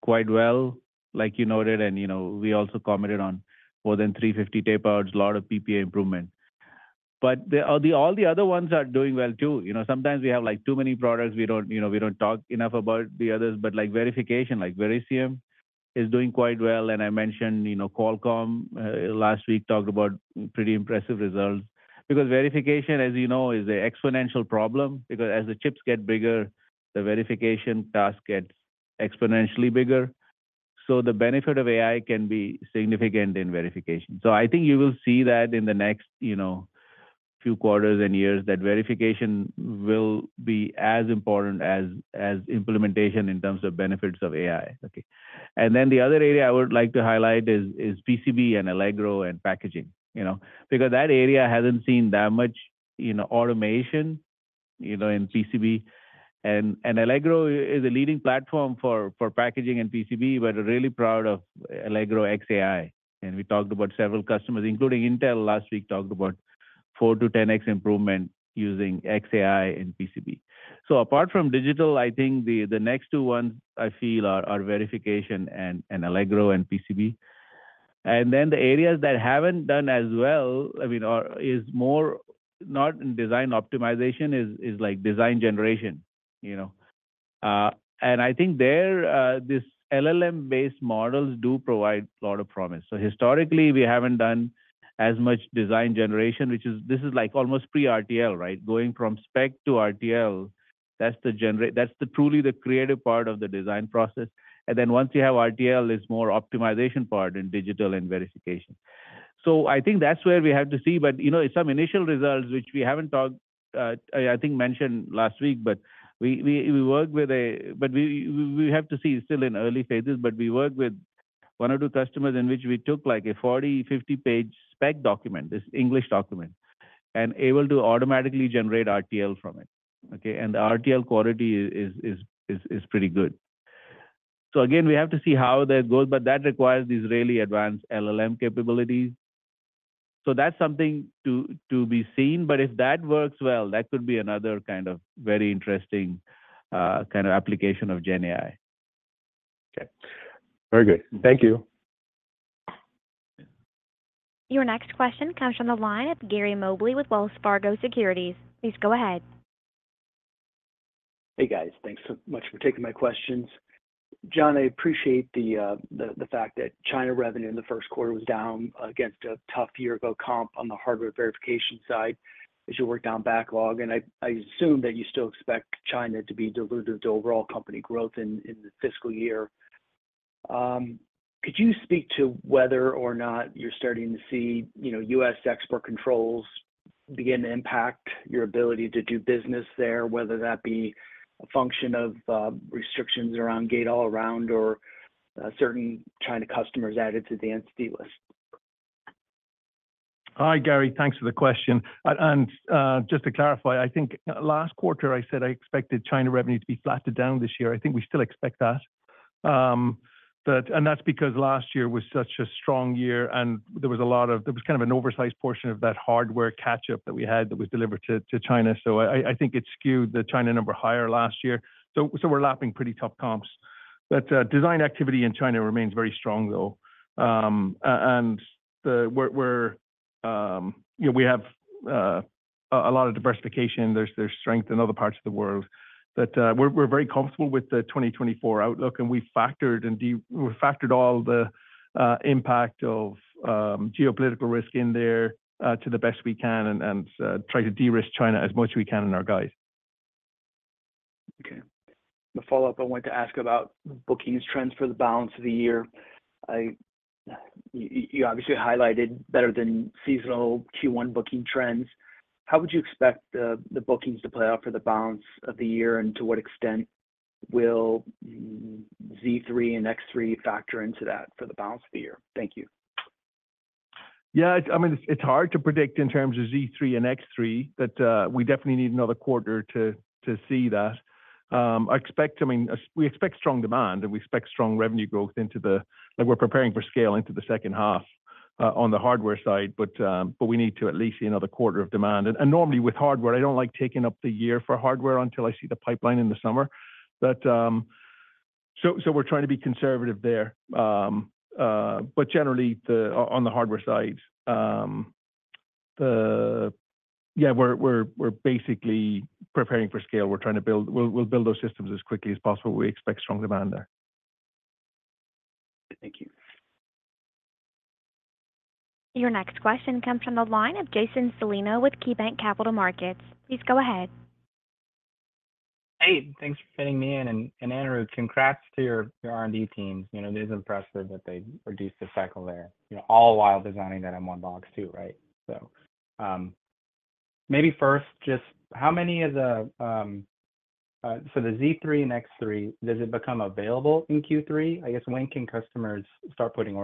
quite well, like you noted. And we also commented on more than 350 tapeouts, a lot of PPA improvement. But all the other ones are doing well too. Sometimes we have too many products. We don't talk enough about the others. But verification, like Verisium, is doing quite well. And I mentioned Qualcomm last week, talked about pretty impressive results. Because verification, as you know, is an exponential problem. Because as the chips get bigger, the verification task gets exponentially bigger. So the benefit of AI can be significant in verification. So I think you will see that in the next few quarters and years, that verification will be as important as implementation in terms of benefits of AI. Okay? And then the other area I would like to highlight is PCB and Allegro and packaging. Because that area hasn't seen that much automation in PCB. And Allegro is a leading platform for packaging and PCB. But we're really proud of Allegro X AI. And we talked about several customers, including Intel last week, talked about 4x-10x improvement using X AI in PCB. So apart from digital, I think the next two ones, I feel, are verification and Allegro and PCB. And then the areas that haven't done as well, I mean, or is more not in design optimization, is design generation. And I think these LLM-based models do provide a lot of promise. So historically, we haven't done as much design generation, which is this is almost pre-RTL, right? Going from spec to RTL, that's truly the creative part of the design process. And then once you have RTL, it's more optimization part in digital and verification. So I think that's where we have to see. But some initial results, which we haven't talked, I think, mentioned last week. It's still in early phases. But we work with one or two customers in which we took a 40-50-page spec document, this English document, and were able to automatically generate RTL from it. Okay? And the RTL quality is pretty good. So again, we have to see how that goes. But that requires these really advanced LLM capabilities. So that's something to be seen. But if that works well, that could be another kind of very interesting kind of application of GenAI.
Okay. Very good. Thank you.
Your next question comes from the line of Gary Mobley with Wells Fargo Securities. Please go ahead.
Hey, guys. Thanks so much for taking my questions. John, I appreciate the fact that China revenue in the first quarter was down against a tough year-ago comp on the hardware verification side as you worked down backlog. And I assume that you still expect China to be dilutive to overall company growth in the fiscal year. Could you speak to whether or not you're starting to see U.S. export controls begin to impact your ability to do business there, whether that be a function of restrictions around Gate-All-Around or certain China customers added to the Entity List?
Hi, Gary. Thanks for the question. Just to clarify, I think last quarter, I said I expected China revenue to be flattened down this year. I think we still expect that. That's because last year was such a strong year. There was a lot of kind of an oversized portion of that hardware catch-up that we had that was delivered to China. So I think it skewed the China number higher last year. We're lapping pretty tough comps. But design activity in China remains very strong, though. We have a lot of diversification. There's strength in other parts of the world. But we're very comfortable with the 2024 outlook. We factored all the impact of geopolitical risk in there to the best we can and try to de-risk China as much as we can in our guides.
Okay. The follow-up, I wanted to ask about bookings trends for the balance of the year. You obviously highlighted better than seasonal Q1 booking trends. How would you expect the bookings to play out for the balance of the year? And to what extent will Z3 and X3 factor into that for the balance of the year? Thank you.
Yeah. I mean, it's hard to predict in terms of Z3 and X3. But we definitely need another quarter to see that. I mean, we expect strong demand. And we expect strong revenue growth into the—we're preparing for scale into the second half on the hardware side. But we need to at least see another quarter of demand. And normally, with hardware, I don't like taking up the year for hardware until I see the pipeline in the summer. So we're trying to be conservative there. But generally, on the hardware side, yeah, we're basically preparing for scale. We'll build those systems as quickly as possible. We expect strong demand there.
Thank you.
Your next question comes from the line of Jason Celino with KeyBank Capital Markets. Please go ahead.
Hey. Thanks for fitting me in. And Anirudh, congrats to your R&D teams. It is impressive that they reduced the cycle there, all while designing that in one box too, right? So maybe first, just how many of the so the Z3 and X3, does it become available in Q3? I guess, when can customers start putting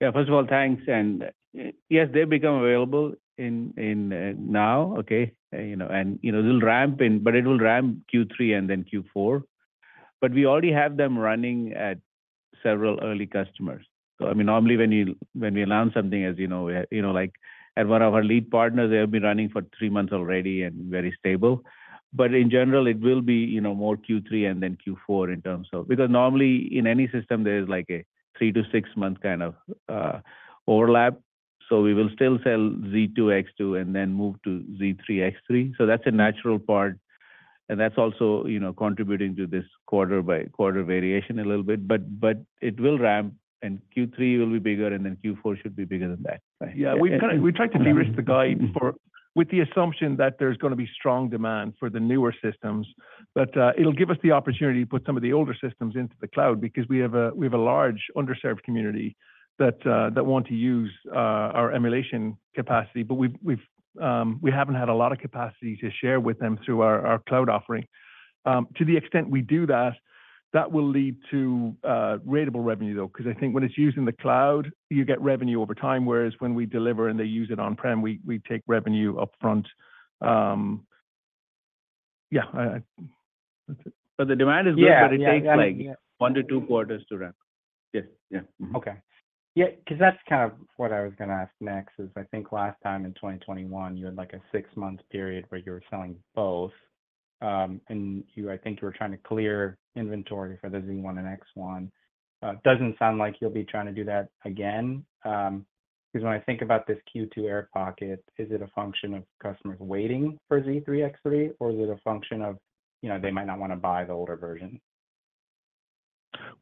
orders in for that?
Yeah. First of all, thanks. Yes, they've become available now, okay? It'll ramp in. But it will ramp Q3 and then Q4. But we already have them running at several early customers. So I mean, normally, when we announce something, as you know, at one of our lead partners, they have been running for three months already and very stable. But in general, it will be more Q3 and then Q4 in terms of because normally, in any system, there's a three- to six-month kind of overlap. So we will still sell Z2, X2, and then move to Z3, X3. So that's a natural part. And that's also contributing to this quarter-by-quarter variation a little bit. But it will ramp. And Q3 will be bigger. And then Q4 should be bigger than that.
Yeah. We tried to de-risk the guide with the assumption that there's going to be strong demand for the newer systems. But it'll give us the opportunity to put some of the older systems into the cloud because we have a large underserved community that want to use our emulation capacity. But we haven't had a lot of capacity to share with them through our cloud offering. To the extent we do that, that will lead to ratable revenue, though, because I think when it's used in the cloud, you get revenue over time. Whereas when we deliver and they use it on-prem, we take revenue upfront. Yeah. That's it.
But the demand is good. But it takes one to two quarters to ramp. Yes. Yeah.
Okay. Yeah. Because that's kind of what I was going to ask next is, I think last time in 2021, you had a six-month period where you were selling both. And I think you were trying to clear inventory for the Z1 and X1. Doesn't sound like you'll be trying to do that again. Because when I think about this Q2 air pocket, is it a function of customers waiting for Z3, X3? Or is it a function of they might not want to buy the older version?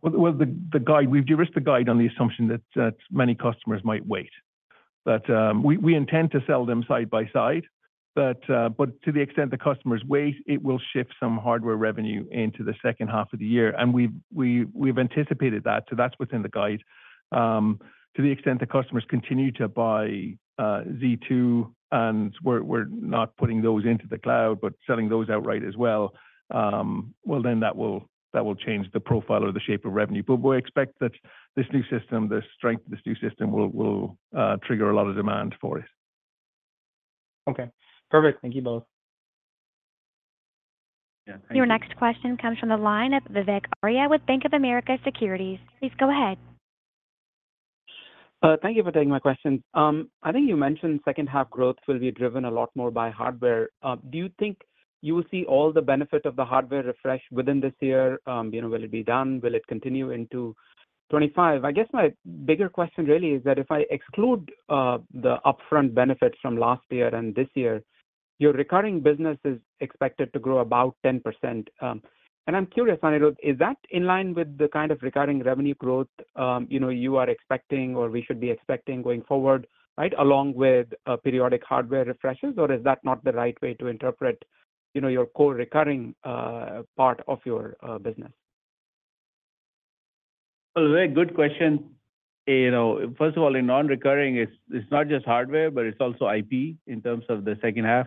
Well, we've de-risked the guide on the assumption that many customers might wait. But we intend to sell them side by side. But to the extent the customers wait, it will shift some hardware revenue into the second half of the year. And we've anticipated that. So that's within the guide. To the extent the customers continue to buy Z2 and we're not putting those into the cloud but selling those outright as well, well, then that will change the profile or the shape of revenue. But we expect that this new system, the strength of this new system, will trigger a lot of demand for us.
Okay. Perfect. Thank you both.
Your next question comes from the line of Vivek Arya with Bank of America Securities. Please go ahead.
Thank you for taking my questions. I think you mentioned second-half growth will be driven a lot more by hardware. Do you think you will see all the benefit of the hardware refresh within this year? Will it be done? Will it continue into 2025? I guess my bigger question, really, is that if I exclude the upfront benefits from last year and this year, your recurring business is expected to grow about 10%. And I'm curious, Anirudh, is that in line with the kind of recurring revenue growth you are expecting or we should be expecting going forward, right, along with periodic hardware refreshes? Or is that not the right way to interpret your core recurring part of your business?
Well, very good question. First of all, in non-recurring, it's not just hardware. But it's also IP in terms of the second half.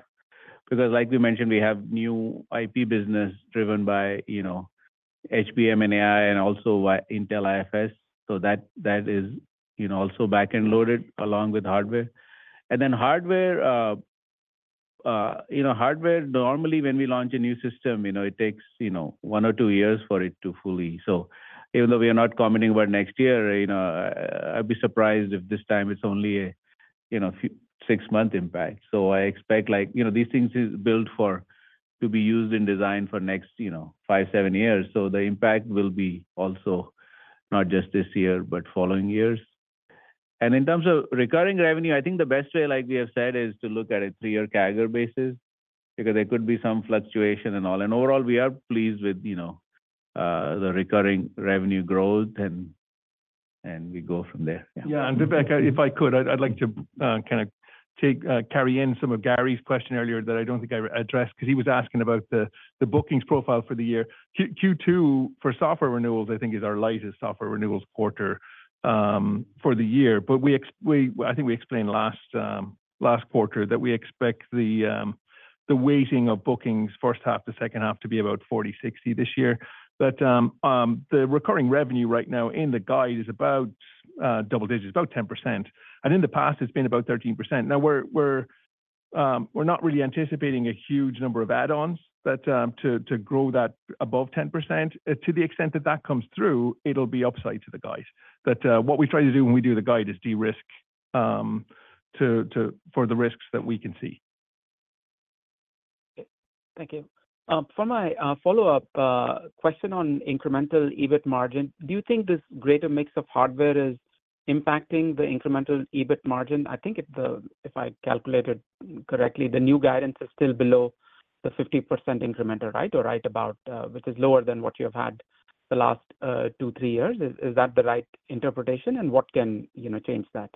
Because like we mentioned, we have new IP business driven by HBM and AI and also Intel IFS. So that is also back-end loaded along with hardware. And then hardware, normally, when we launch a new system, it takes 1 or 2 years for it to fully so even though we are not commenting about next year, I'd be surprised if this time it's only a 6-month impact. So I expect these things are built to be used in design for the next 5, 7 years. So the impact will be also not just this year but following years. In terms of recurring revenue, I think the best way, like we have said, is to look at a three-year CAGR basis because there could be some fluctuation and all. Overall, we are pleased with the recurring revenue growth. We go from there. Yeah.
Yeah. Vivek, if I could, I'd like to kind of carry in some of Gary's question earlier that I don't think I addressed because he was asking about the bookings profile for the year. Q2 for software renewals, I think, is our lightest software renewals quarter for the year. But I think we explained last quarter that we expect the weighting of bookings, first half to second half, to be about 40-60 this year. But the recurring revenue right now in the guide is about double digits, about 10%. And in the past, it's been about 13%. Now, we're not really anticipating a huge number of add-ons to grow that above 10%. To the extent that that comes through, it'll be upside to the guide. But what we try to do when we do the guide is de-risk for the risks that we can see.
Okay. Thank you. For my follow-up question on incremental EBIT margin, do you think this greater mix of hardware is impacting the incremental EBIT margin? I think if I calculated correctly, the new guidance is still below the 50% incremental, right, or right about, which is lower than what you have had the last two, three years. Is that the right interpretation? And what can change that?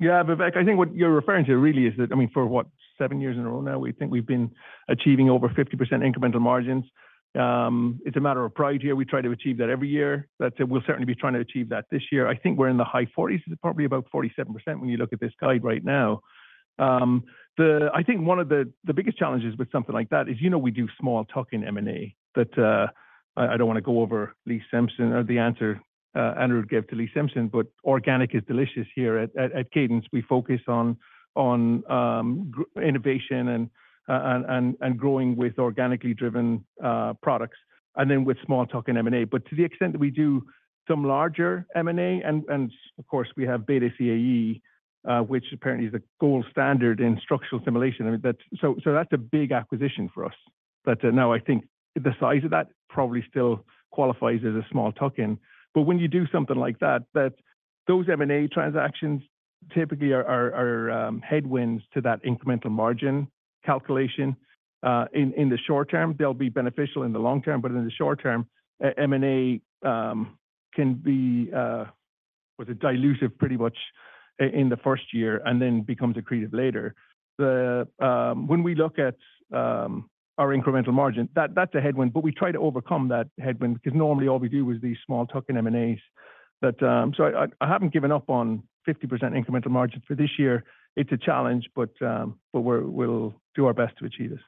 Yeah. Vivek, I think what you're referring to really is that, I mean, for, what, seven years in a row now, we think we've been achieving over 50% incremental margins. It's a matter of pride here. We try to achieve that every year. We'll certainly be trying to achieve that this year. I think we're in the high 40s. It's probably about 47% when you look at this guide right now. I think one of the biggest challenges with something like that is we do small tuck-in M&A. But I don't want to go over Lee Simpson or the answer Anirudh gave to Lee Simpson. But organic is delicious here at Cadence. We focus on innovation and growing with organically driven products and then with small tuck-in M&A. But to the extent that we do some larger M&A and of course, we have BETA CAE, which apparently is the gold standard in structural simulation, I mean, so that's a big acquisition for us. But now, I think the size of that probably still qualifies as a small tuck-in. But when you do something like that, those M&A transactions typically are headwinds to that incremental margin calculation. In the short term, they'll be beneficial in the long term. But in the short term, M&A can be, was it, dilutive pretty much in the first year and then becomes accretive later. When we look at our incremental margin, that's a headwind. But we try to overcome that headwind because normally, all we do is these small tuck-in M&As. So I haven't given up on 50% incremental margin for this year. It's a challenge. But we'll do our best to achieve this.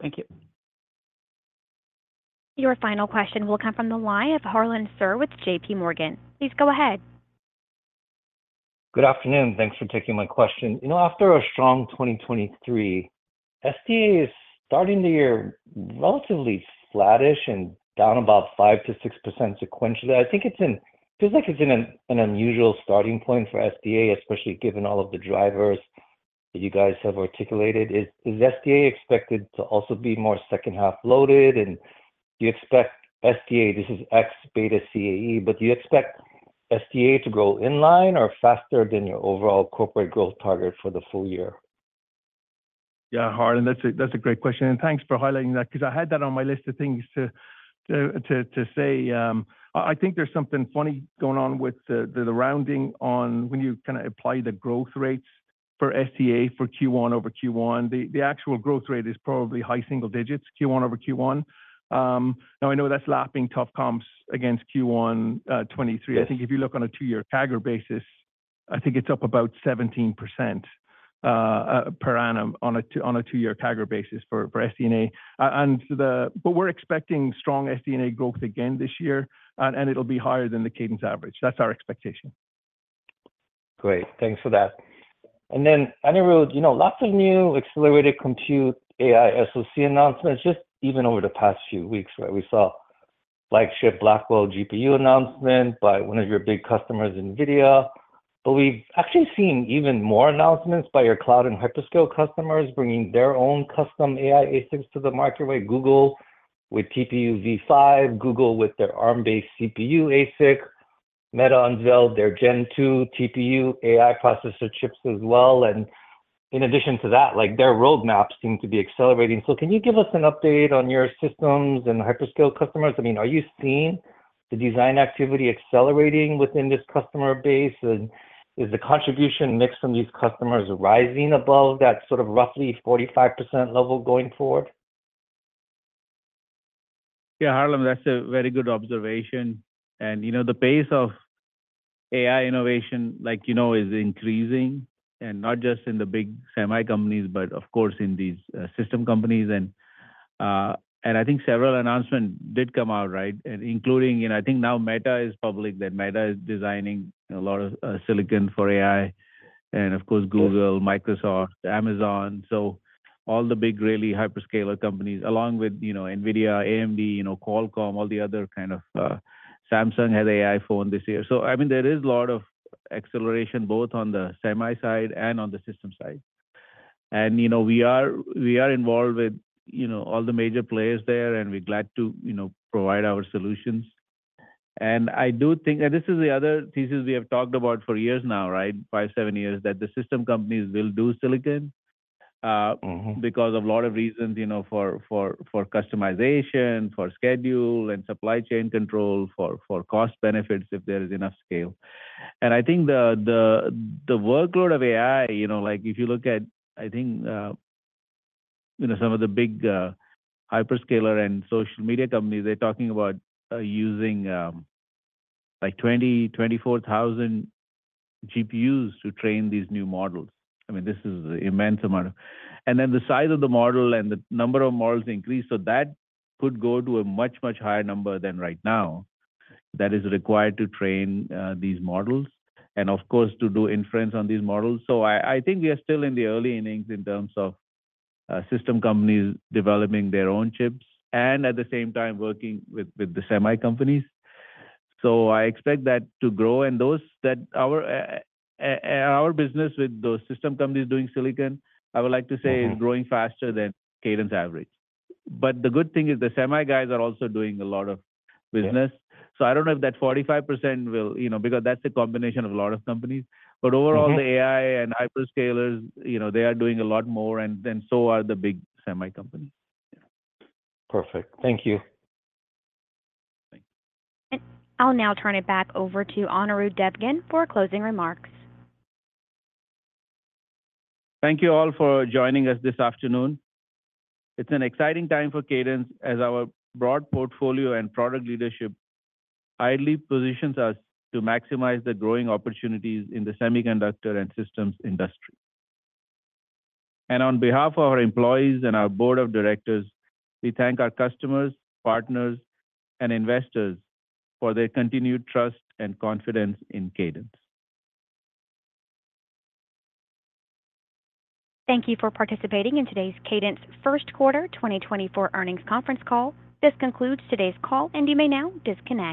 Thank you.
Your final question will come from the line of Harlan Sur with JPMorgan. Please go ahead.
Good afternoon. Thanks for taking my question. After a strong 2023, EDA is starting the year relatively flatish and down about 5%-6% sequentially. I think it feels like it's an unusual starting point for EDA, especially given all of the drivers that you guys have articulated. Is EDA expected to also be more second-half loaded? And do you expect EDA, this is ex BETA CAE. But do you expect EDA to grow inline or faster than your overall corporate growth target for the full year?
Yeah. Harlan, that's a great question. Thanks for highlighting that because I had that on my list of things to say. I think there's something funny going on with the rounding on when you kind of apply the growth rates for SD&A for Q1 over Q1. The actual growth rate is probably high single digits, Q1 over Q1. Now, I know that's lapping tough comps against Q1 2023. I think if you look on a two-year CAGR basis, I think it's up about 17% per annum on a two-year CAGR basis for SD&A. But we're expecting strong SD&A growth again this year. It'll be higher than the Cadence average. That's our expectation.
Great. Thanks for that. And then, Anirudh, lots of new accelerated compute AI SoC announcements just even over the past few weeks, right? We saw flagship Blackwell GPU announcement by one of your big customers, NVIDIA. But we've actually seen even more announcements by your cloud and hyperscale customers bringing their own custom AI ASICs to the market, right? Google with TPU v5, Google with their Arm-based CPU ASIC, Meta unveiled their Gen 2 TPU AI processor chips as well. And in addition to that, their roadmaps seem to be accelerating. So can you give us an update on your systems and hyperscale customers? I mean, are you seeing the design activity accelerating within this customer base? And is the contribution mix from these customers rising above that sort of roughly 45% level going forward?
Yeah. Harlan, that's a very good observation. And the pace of AI innovation, like you know, is increasing, and not just in the big semi-companies but, of course, in these system companies. And I think several announcements did come out, right? And I think now Meta is public that Meta is designing a lot of silicon for AI. And of course, Google, Microsoft, Amazon. So all the big, really, hyperscaler companies along with NVIDIA, AMD, Qualcomm, all the other kind of Samsung had an AI phone this year. So I mean, there is a lot of acceleration both on the semi side and on the system side. And we are involved with all the major players there. And we're glad to provide our solutions. I do think and this is the other thesis we have talked about for years now, right, five, 7 years, that the system companies will do silicon because of a lot of reasons for customization, for schedule and supply chain control, for cost benefits if there is enough scale. I think the workload of AI, if you look at, I think, some of the big hyperscaler and social media companies, they're talking about using 20,000-24,000 GPUs to train these new models. I mean, this is an immense amount. Then the size of the model and the number of models increased. So that could go to a much, much higher number than right now that is required to train these models and, of course, to do inference on these models. So I think we are still in the early innings in terms of system companies developing their own chips and at the same time working with the semi-companies. So I expect that to grow. And our business with those system companies doing silicon, I would like to say, is growing faster than Cadence average. But the good thing is the semi guys are also doing a lot of business. So I don't know if that 45% will because that's a combination of a lot of companies. But overall, the AI and hyperscalers, they are doing a lot more. And then so are the big semi-companies. Yeah.
Perfect. Thank you.
Thanks.
I'll now turn it back over to Anirudh Devgan for closing remarks.
Thank you all for joining us this afternoon. It's an exciting time for Cadence as our broad portfolio and product leadership highly positions us to maximize the growing opportunities in the semiconductor and systems industry. On behalf of our employees and our board of directors, we thank our customers, partners, and investors for their continued trust and confidence in Cadence.
Thank you for participating in today's Cadence first quarter 2024 earnings conference call. This concludes today's call. You may now disconnect.